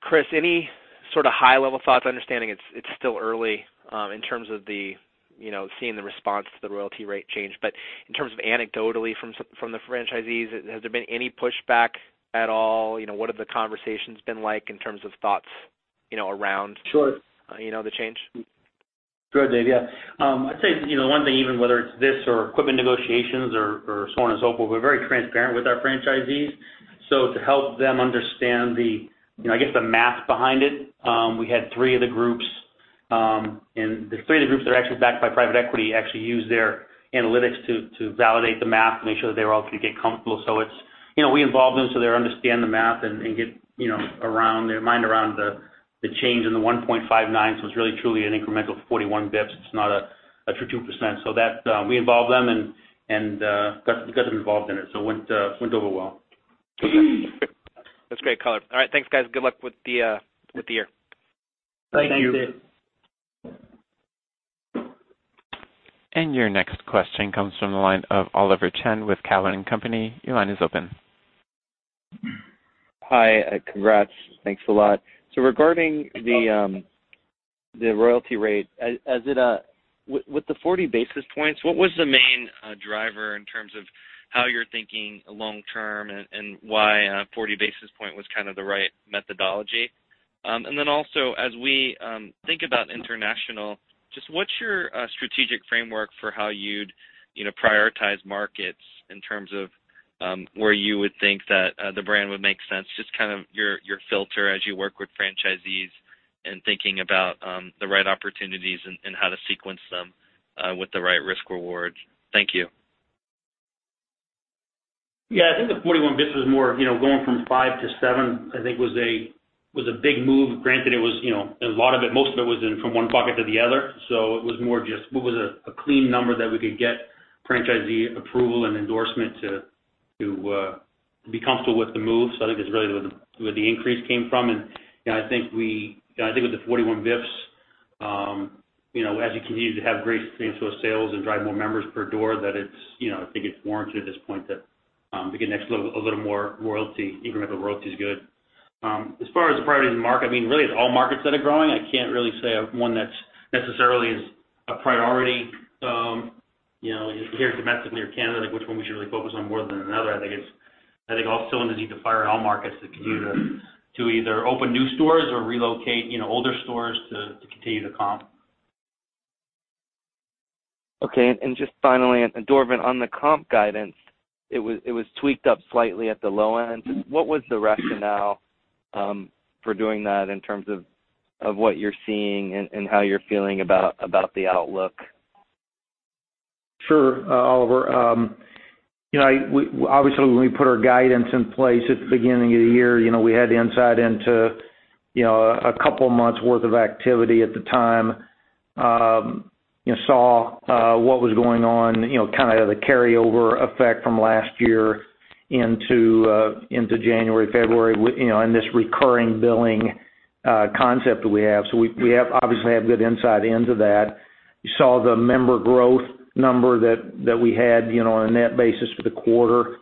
Chris, any sort of high-level thoughts, understanding it's still early in terms of seeing the response to the royalty rate change. In terms of anecdotally from the franchisees, has there been any pushback at all? What have the conversations been like in terms of thoughts around- Sure the change? Sure, Dave, yeah. I'd say, one thing, even whether it's this or equipment negotiations or so on and so forth, we're very transparent with our franchisees. To help them understand, I guess, the math behind it, we had three of the groups, and the three of the groups that are actually backed by private equity actually use their analytics to validate the math and make sure that they were all going to get comfortable. We involve them, so they understand the math and get their mind around the change in the 1.59. It's really truly an incremental 41 basis points. It's not a true 2%. That, we involve them and got them involved in it. It went over well. That's great color. All right, thanks, guys. Good luck with the year. Thank you. Thank you. Your next question comes from the line of Oliver Chen with Cowen and Company. Your line is open. Hi, congrats. Thanks a lot. Regarding the royalty rate, with the 40 basis points, what was the main driver in terms of how you're thinking long term and why a 40 basis point was kind of the right methodology? Also, as we think about international, just what's your strategic framework for how you'd prioritize markets in terms of where you would think that the brand would make sense, just your filter as you work with franchisees and thinking about the right opportunities and how to sequence them with the right risk rewards. Thank you. Yeah, I think the 41 basis points was more, going from five to seven, I think was a big move. Granted, most of it was in from one pocket to the other. It was more just what was a clean number that we could get franchisee approval and endorsement to be comfortable with the move. I think that's really where the increase came from, and I think with the 41 basis points, as you continue to have great same-store sales and drive more members per door, that I think it's warranted at this point to get an extra little more royalty, incremental royalty is good. As far as the priorities in the market, really it's all markets that are growing. I can't really say one that necessarily is a priority. Here domestically or Canada, like which one we should really focus on more than another. I think also in the need to fire in all markets to continue to either open new stores or relocate older stores to continue to comp. Okay, just finally, Dorvin, on the comp guidance, it was tweaked up slightly at the low end. What was the rationale for doing that in terms of what you're seeing and how you're feeling about the outlook? Sure. Oliver. Obviously, when we put our guidance in place at the beginning of the year, we had the insight into a couple of months' worth of activity at the time, and saw what was going on, kind of the carryover effect from last year into January, February, and this recurring billing concept that we have. We obviously have good insight into that. You saw the member growth number that we had, on a net basis for the quarter.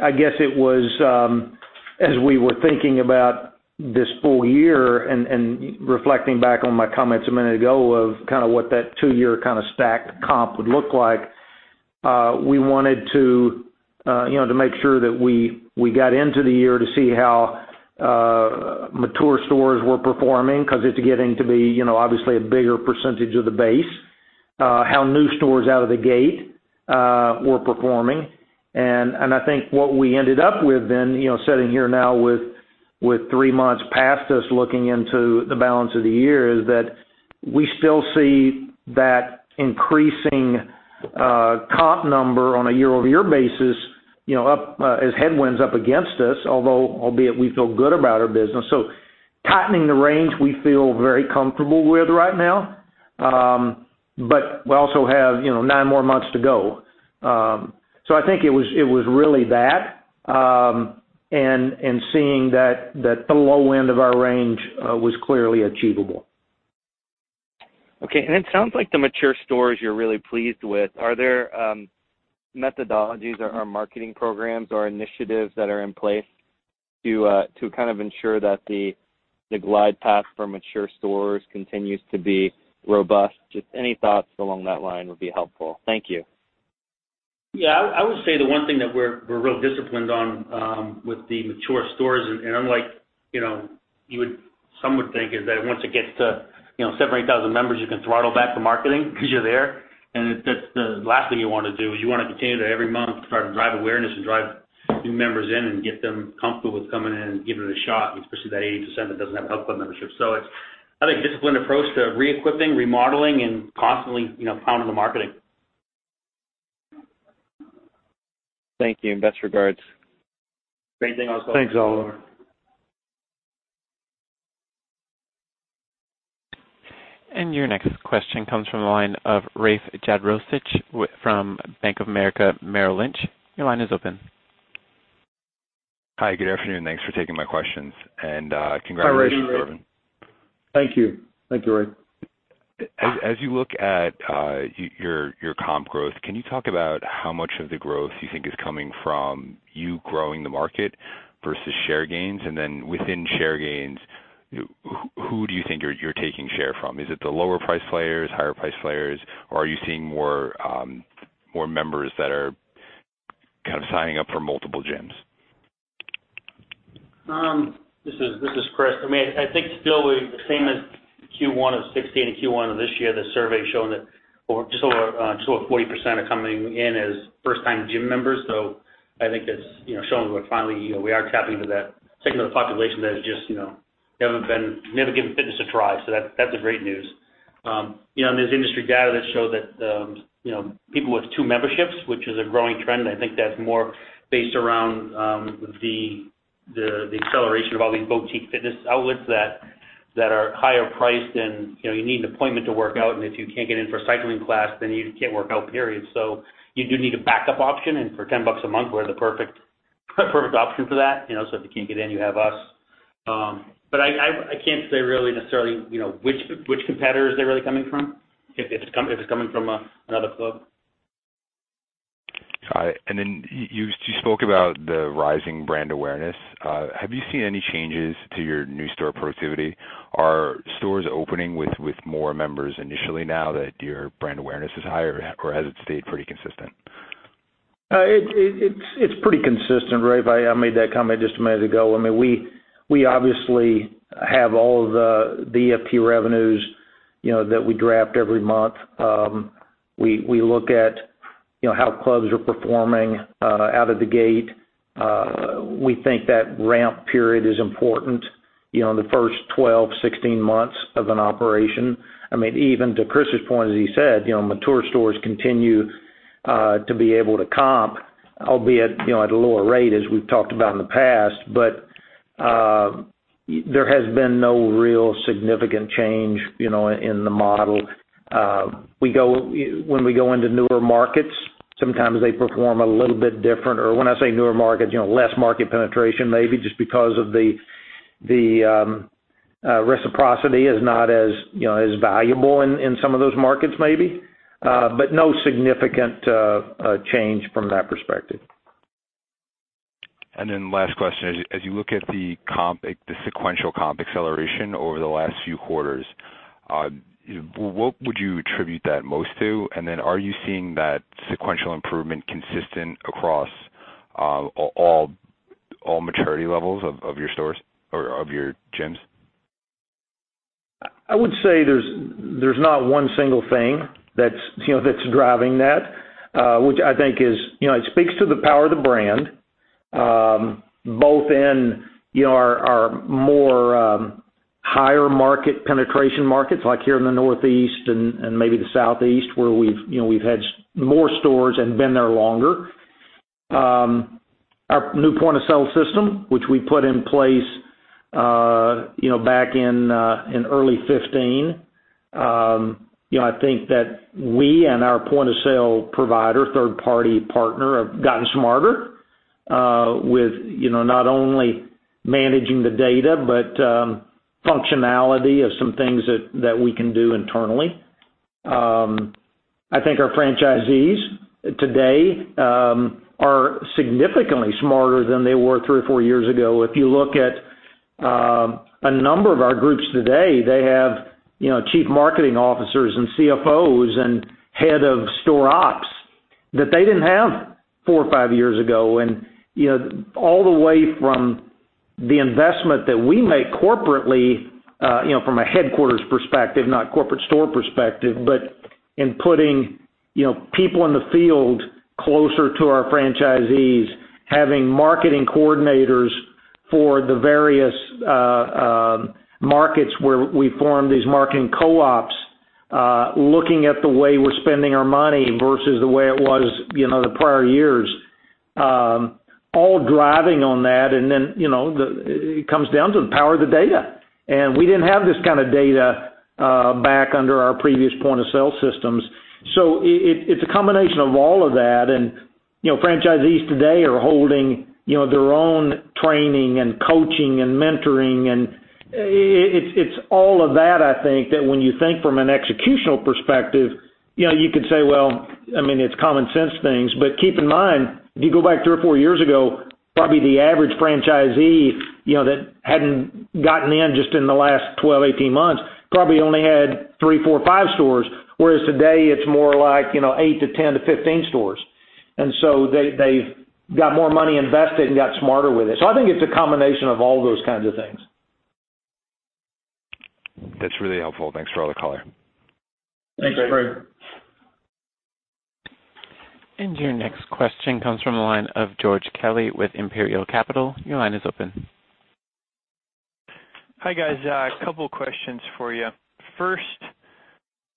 I guess it was, as we were thinking about this full year and reflecting back on my comments a minute ago of kind of what that two-year kind of stacked comp would look like, we wanted to make sure that we got into the year to see how mature stores were performing because it's getting to be obviously a bigger percentage of the base. How new stores out of the gate were performing. I think what we ended up with then, sitting here now with three months past us looking into the balance of the year, is that we still see that increasing comp number on a year-over-year basis, as headwinds up against us, although albeit we feel good about our business. Tightening the range, we feel very comfortable with right now. We also have nine more months to go. I think it was really that, and seeing that the low end of our range was clearly achievable. Okay, it sounds like the mature stores you're really pleased with. Are there methodologies or marketing programs or initiatives that are in place to kind of ensure that the glide path for mature stores continues to be robust? Just any thoughts along that line would be helpful. Thank you. Yeah, I would say the one thing that we're real disciplined on with the mature stores, unlike some would think, is that once it gets to seven or 8,000 members, you can throttle back the marketing because you're there. That's the last thing you want to do is you want to continue to every month try to drive awareness and drive new members in and get them comfortable with coming in and giving it a shot, especially that 80% that doesn't have health club membership. It's, I think, disciplined approach to reequipping, remodeling, and constantly pounding the marketing. Thank you, best regards. Is there anything else? Thanks, Oliver. Your next question comes from the line of Rafe Jadrosich from Bank of America Merrill Lynch. Your line is open. Hi, good afternoon. Thanks for taking my questions. Congratulations, gentlemen. Thank you. Thank you, Rafe. As you look at your comp growth, can you talk about how much of the growth you think is coming from you growing the market versus share gains? Then within share gains, who do you think you're taking share from? Is it the lower-priced players, higher-priced players, or are you seeing more members that are kind of signing up for multiple gyms? This is Chris. I think still the same as Q1 2016 and Q1 of this year, the survey's showing that just over 40% are coming in as first-time gym members. I think that's showing what, finally, we are tapping into that segment of the population that has just never given fitness a try. That's the great news. There's industry data that show that people with two memberships, which is a growing trend, I think that's more based around the acceleration of all these boutique fitness outlets that are higher priced and you need an appointment to work out. If you can't get in for a cycling class, then you can't work out, period. You do need a backup option, and for $10 a month, we're the perfect option for that. If you can't get in, you have us. I can't say really necessarily which competitors they're really coming from, if it's coming from another club. All right. You spoke about the rising brand awareness. Have you seen any changes to your new store productivity? Are stores opening with more members initially now that your brand awareness is higher, or has it stayed pretty consistent? It's pretty consistent, Rafe. I made that comment just a minute ago. We obviously have all of the EFT revenues that we draft every month. We look at how clubs are performing out of the gate. We think that ramp period is important, the first 12, 16 months of an operation. Even to Chris's point, as he said, mature stores continue to be able to comp, albeit at a lower rate as we've talked about in the past. There has been no real significant change in the model. When we go into newer markets, sometimes they perform a little bit different. When I say newer markets, less market penetration maybe just because of the reciprocity is not as valuable in some of those markets maybe. No significant change from that perspective. Last question. As you look at the sequential comp acceleration over the last few quarters, what would you attribute that most to? Are you seeing that sequential improvement consistent across all maturity levels of your stores or of your gyms? I would say there's not one single thing that's driving that, which I think it speaks to the power of the brand, both in our more higher market penetration markets, like here in the Northeast and maybe the Southeast, where we've had more stores and been there longer. Our new point-of-sale system, which we put in place back in early 2015. I think that we and our point-of-sale provider, third-party partner, have gotten smarter, with not only managing the data, but functionality of some things that we can do internally. I think our franchisees today are significantly smarter than they were three or four years ago. If you look at a number of our groups today, they have chief marketing officers and CFOs and head of store ops that they didn't have four or five years ago. All the way from the investment that we make corporately, from a headquarters perspective, not corporate store perspective, but in putting people in the field closer to our franchisees, having marketing coordinators for the various markets where we form these marketing co-ops, looking at the way we're spending our money versus the way it was the prior years, all driving on that. It comes down to the power of the data. We didn't have this kind of data back under our previous point-of-sale systems. It's a combination of all of that, and franchisees today are holding their own training and coaching and mentoring, and it's all of that, I think, that when you think from an executional perspective, you could say, well, it's common sense things. Keep in mind, if you go back three or four years ago, probably the average franchisee that hadn't gotten in just in the last 12, 18 months, probably only had three, four, five stores. Whereas today it's more like eight to 10 to 15 stores. They've got more money invested and got smarter with it. I think it's a combination of all those kinds of things. That's really helpful. Thanks for all the color. Thanks, Rafe. Thanks. Your next question comes from the line of George Kelly with Imperial Capital. Your line is open. Hi, guys. A couple of questions for you. First,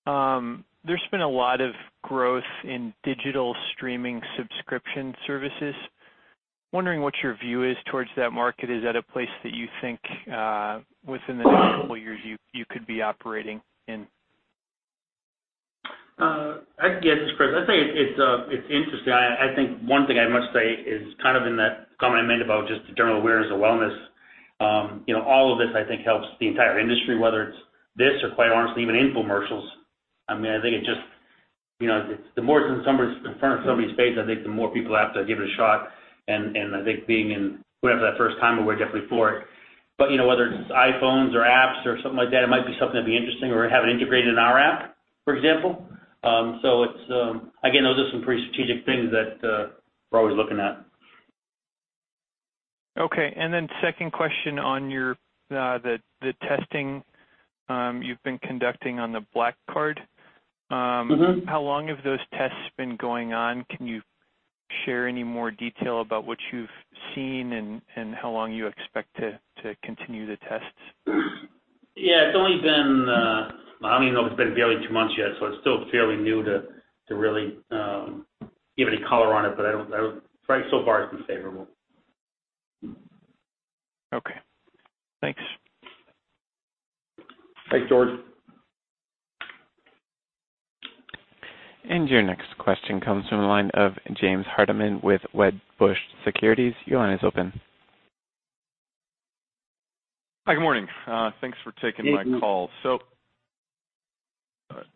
there's been a lot of growth in digital streaming subscription services. I'm wondering what your view is towards that market. Is that a place that you think within the next couple years you could be operating in? Yes, this is Chris. I'd say it's interesting. I think one thing I must say is in that comment I made about just the general awareness of wellness. All of this I think helps the entire industry, whether it's this or quite honestly, even infomercials. I think the more it's in front of somebody's face, I think the more people have to give it a shot. I think being in whoever has that first time award definitely for it. Whether it's iPhones or apps or something like that, it might be something that'd be interesting or have it integrated in our app, for example. Again, those are some pretty strategic things that we're always looking at. Okay. Then second question on the testing you've been conducting on the Black Card. How long have those tests been going on? Can you share any more detail about what you've seen and how long you expect to continue the tests? Yeah, it's only been, I don't even know if it's been barely two months yet, so it's still fairly new to really give any color on it, but so far it's been favorable. Okay. Thanks. Thanks, George. Your next question comes from the line of James Hardiman with Wedbush Securities. Your line is open. Hi. Good morning. Thanks for taking my call. Thank you.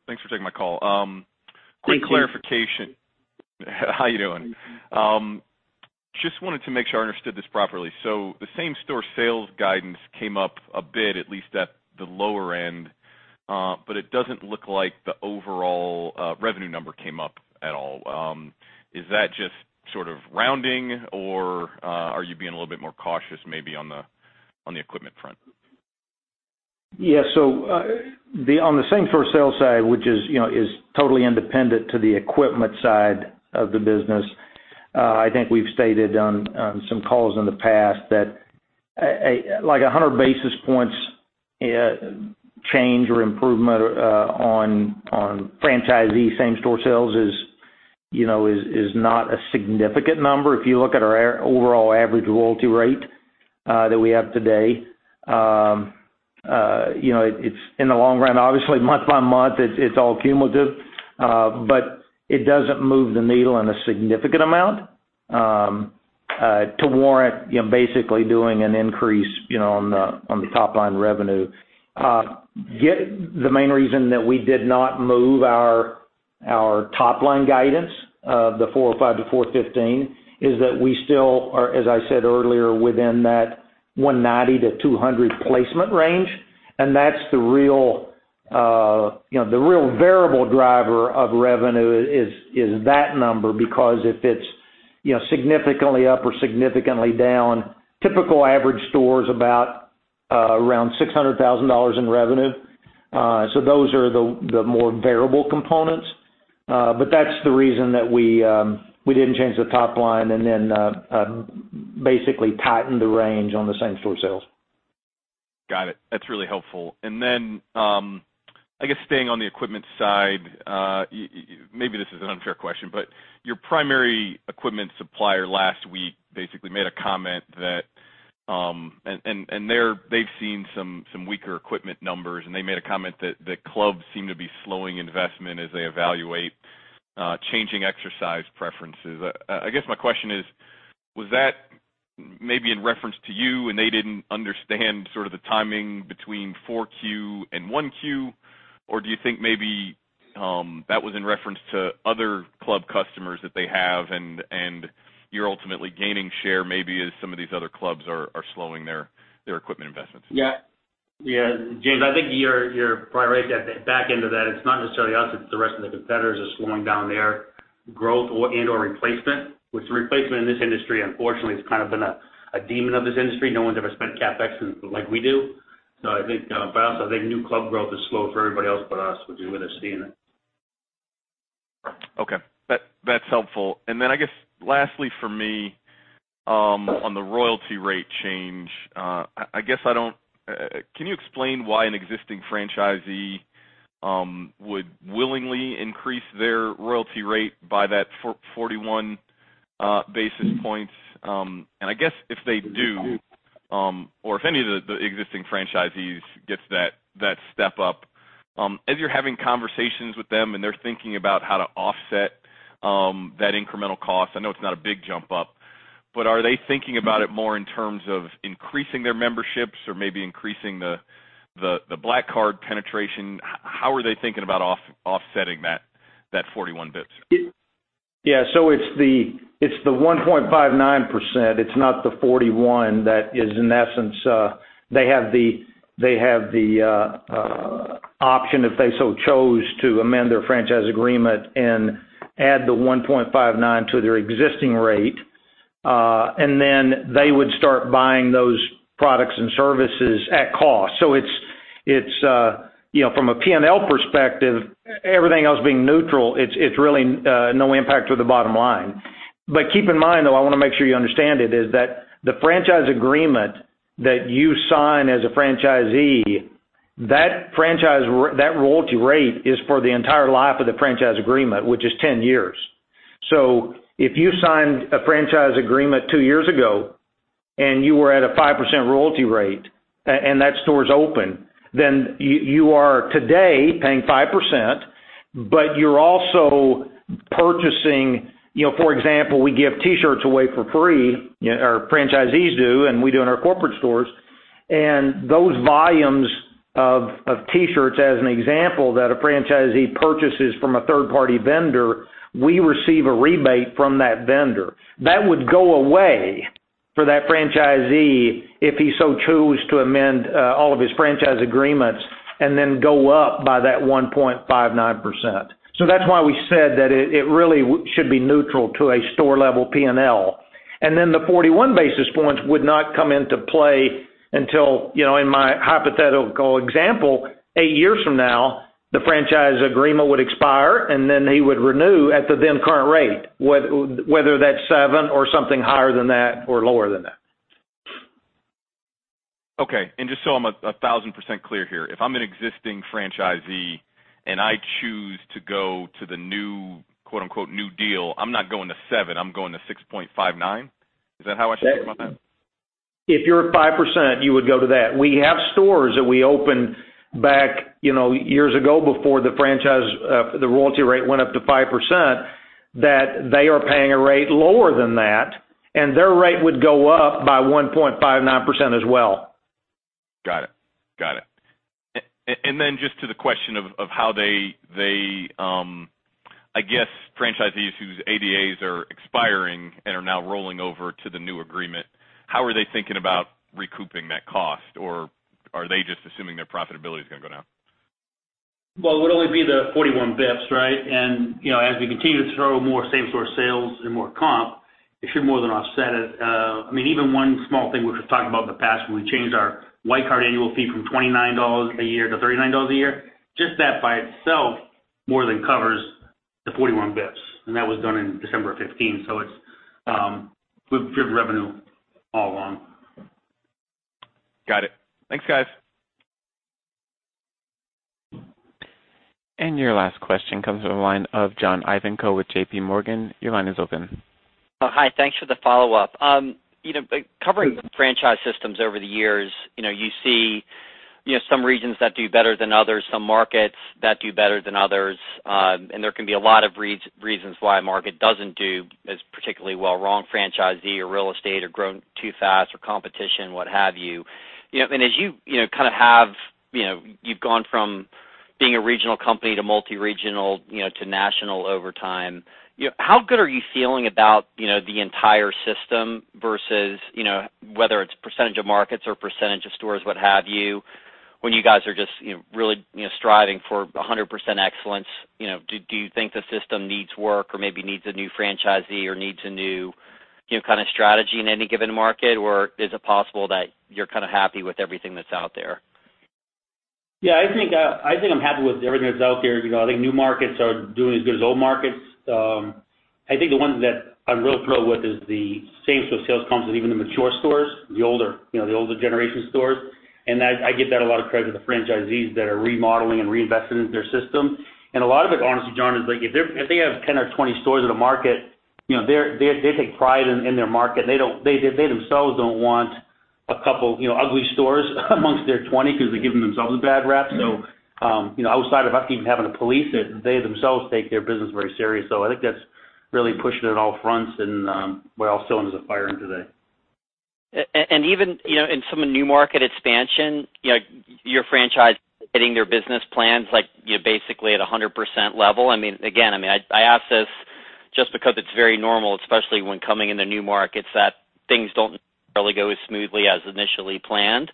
Thanks for taking my call. Thank you. Quick clarification. How you doing? Just wanted to make sure I understood this properly. The same-store sales guidance came up a bit, at least at the lower end. It doesn't look like the overall revenue number came up at all. Is that just sort of rounding or are you being a little bit more cautious maybe on the equipment front? Yeah. On the same-store sales side, which is totally independent to the equipment side of the business, I think we've stated on some calls in the past that, like 100 basis points change or improvement on franchisee same-store sales is not a significant number. If you look at our overall average royalty rate, that we have today, it's in the long run, obviously month-by-month, it's all cumulative. It doesn't move the needle in a significant amount, to warrant basically doing an increase on the top-line revenue. The main reason that we did not move our top-line guidance of the $405 million-$415 million is that we still are, as I said earlier, within that 190-200 placement range. The real variable driver of revenue is that number because if it's significantly up or significantly down, typical average store's about around $600,000 in revenue. Those are the more variable components. That's the reason that we didn't change the top line and then basically tightened the range on the same-store sales. Got it. That's really helpful. I guess staying on the equipment side, maybe this is an unfair question, but your primary equipment supplier last week basically made a comment, they've seen some weaker equipment numbers, and they made a comment that clubs seem to be slowing investment as they evaluate changing exercise preferences. I guess my question is, was that maybe in reference to you and they didn't understand sort of the timing between 4Q and 1Q, or do you think maybe that was in reference to other club customers that they have and you're ultimately gaining share maybe as some of these other clubs are slowing their equipment investments? Yeah. James, I think you're probably right. The back end of that, it's not necessarily us, it's the rest of the competitors are slowing down their growth and/or replacement. With replacement in this industry, unfortunately, it's kind of been a demon of this industry. No one's ever spent CapEx like we do. Also, I think new club growth is slow for everybody else but us, which is what they're seeing. Okay. That's helpful. I guess lastly for me, on the royalty rate change. Can you explain why an existing franchisee would willingly increase their royalty rate by that 41 basis points? I guess if they do, or if any of the existing franchisees gets that step up, as you're having conversations with them and they're thinking about how to offset that incremental cost, I know it's not a big jump up, but are they thinking about it more in terms of increasing their memberships or maybe increasing the Black Card penetration? How are they thinking about offsetting that 41 basis points? Yeah. It's the 1.59%, it's not the 41% that is in essence, they have the option if they so chose to amend their franchise agreement and add the 1.59 to their existing rate. They would start buying those products and services at cost. From a P&L perspective, everything else being neutral, it's really no impact to the bottom line. Keep in mind, though, I want to make sure you understand it, is that the franchise agreement that you sign as a franchisee- That royalty rate is for the entire life of the franchise agreement, which is 10 years. If you signed a franchise agreement two years ago and you were at a 5% royalty rate and that store is open, you are today paying 5%, you're also purchasing, for example, we give T-shirts away for free, our franchisees do, and we do in our corporate stores. Those volumes of T-shirts, as an example, that a franchisee purchases from a third-party vendor, we receive a rebate from that vendor. That would go away for that franchisee if he so choose to amend all of his franchise agreements and go up by that 1.59%. That's why we said that it really should be neutral to a store-level P&L. The 41 basis points would not come into play until, in my hypothetical example, eight years from now, the franchise agreement would expire, he would renew at the then current rate, whether that's seven or something higher than that, or lower than that. Okay. Just so I'm 1,000% clear here, if I'm an existing franchisee and I choose to go to the new, quote-unquote, "new deal," I'm not going to seven, I'm going to 6.59? Is that how I should think about that? If you're at 5%, you would go to that. We have stores that we opened back years ago before the royalty rate went up to 5%, that they are paying a rate lower than that, their rate would go up by 1.59% as well. Got it. Just to the question of, I guess, franchisees whose ADAs are expiring and are now rolling over to the new agreement, how are they thinking about recouping that cost? Or are they just assuming their profitability is going to go down? Well, it would only be the 41 basis points, right? As we continue to show more same-store sales and more comp, it should more than offset it. Even one small thing we've talked about in the past, when we changed our Classic Card annual fee from $29 a year to $39 a year, just that by itself more than covers the 41 basis points. That was done in December of 2015. We've driven revenue all along. Got it. Thanks, guys. Your last question comes from the line of John Ivanko with JPMorgan. Your line is open. Hi, thanks for the follow-up. Covering franchise systems over the years, you see some regions that do better than others, some markets that do better than others, and there can be a lot of reasons why a market doesn't do as particularly well. Wrong franchisee, or real estate, or growing too fast, or competition, what have you. As you've gone from being a regional company to multi-regional, to national over time, how good are you feeling about the entire system versus, whether it's percentage of markets or percentage of stores, what have you, when you guys are just really striving for 100% excellence. Do you think the system needs work or maybe needs a new franchisee or needs a new kind of strategy in any given market? Is it possible that you're kind of happy with everything that's out there? I think I'm happy with everything that's out there. New markets are doing as good as old markets. The one that I'm real thrilled with is the same store sales comps with even the mature stores, the older generation stores. I give that a lot of credit to the franchisees that are remodeling and reinvesting in their system. A lot of it, honestly, John, is if they have 10 or 20 stores in a market, they take pride in their market. They themselves don't want a couple ugly stores amongst their 20 because they're giving themselves a bad rep. Outside of us even having to police it, they themselves take their business very serious. I think that's really pushing it on all fronts, all cylinders are firing today. Even in some of the new market expansion, your franchise hitting their business plans, basically at 100% level. Again, I ask this just because it's very normal, especially when coming into new markets, that things don't really go as smoothly as initially planned.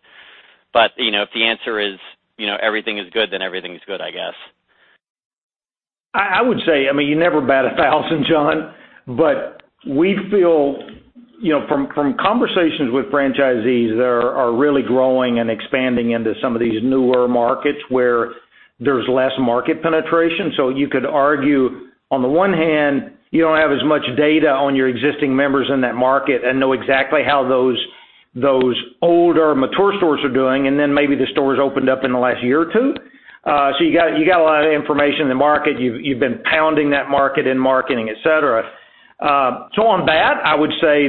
If the answer is everything is good, everything's good, I guess. I would say, you never bat 1,000, John, we feel from conversations with franchisees that are really growing and expanding into some of these newer markets where there's less market penetration. You could argue, on the one hand, you don't have as much data on your existing members in that market and know exactly how those older, mature stores are doing, maybe the stores opened up in the last year or two. You got a lot of information in the market. You've been pounding that market in marketing, et cetera. On that, I would say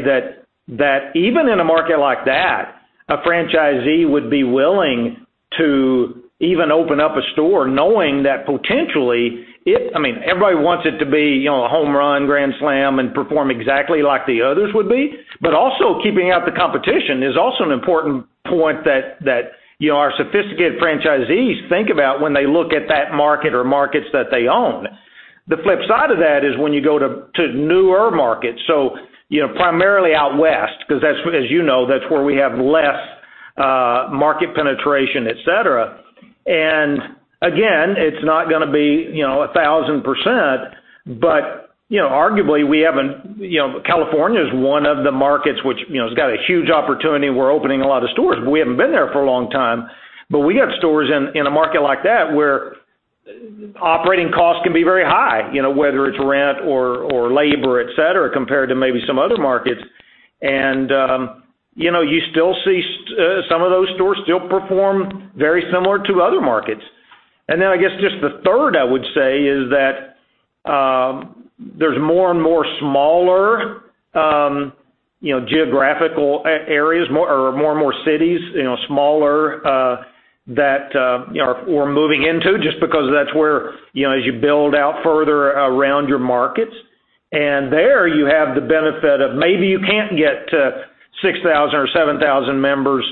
that even in a market like that, a franchisee would be willing to even open up a store knowing that potentially, everybody wants it to be a home run, grand slam, and perform exactly like the others would be. keeping out the competition is also an important point that our sophisticated franchisees think about when they look at that market or markets that they own. The flip side of that is when you go to newer markets, so primarily out west, because as you know, that's where we have less market penetration, et cetera. Again, it's not going to be 1,000%, but arguably, California is one of the markets which has got a huge opportunity. We're opening a lot of stores. We haven't been there for a long time. We have stores in a market like that where operating costs can be very high, whether it's rent or labor, et cetera, compared to maybe some other markets. You still see some of those stores still perform very similar to other markets. I guess just the third I would say is that, there's more and more smaller geographical areas, or more and more cities, smaller, that we're moving into, just because that's where as you build out further around your markets. There you have the benefit of maybe you can't get to 6,000 or 7,000 members.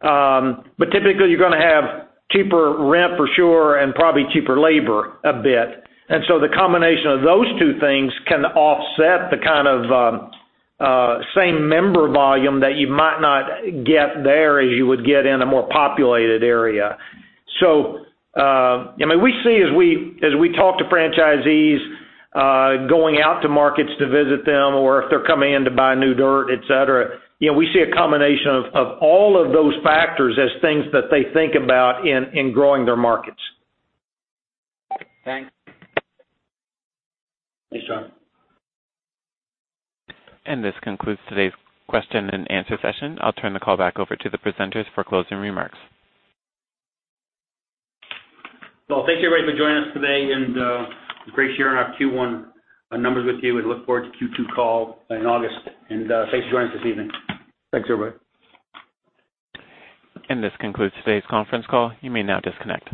Typically, you're going to have cheaper rent for sure, and probably cheaper labor a bit. The combination of those two things can offset the kind of same member volume that you might not get there as you would get in a more populated area. We see as we talk to franchisees, going out to markets to visit them or if they're coming in to buy new dirt, et cetera, we see a combination of all of those factors as things that they think about in growing their markets. Thanks. Thanks, John. This concludes today's question and answer session. I'll turn the call back over to the presenters for closing remarks. Well, thank you everybody for joining us today, it was great sharing our Q1 numbers with you. We look forward to Q2 call in August. Thanks for joining us this evening. Thanks, everybody. This concludes today's conference call. You may now disconnect.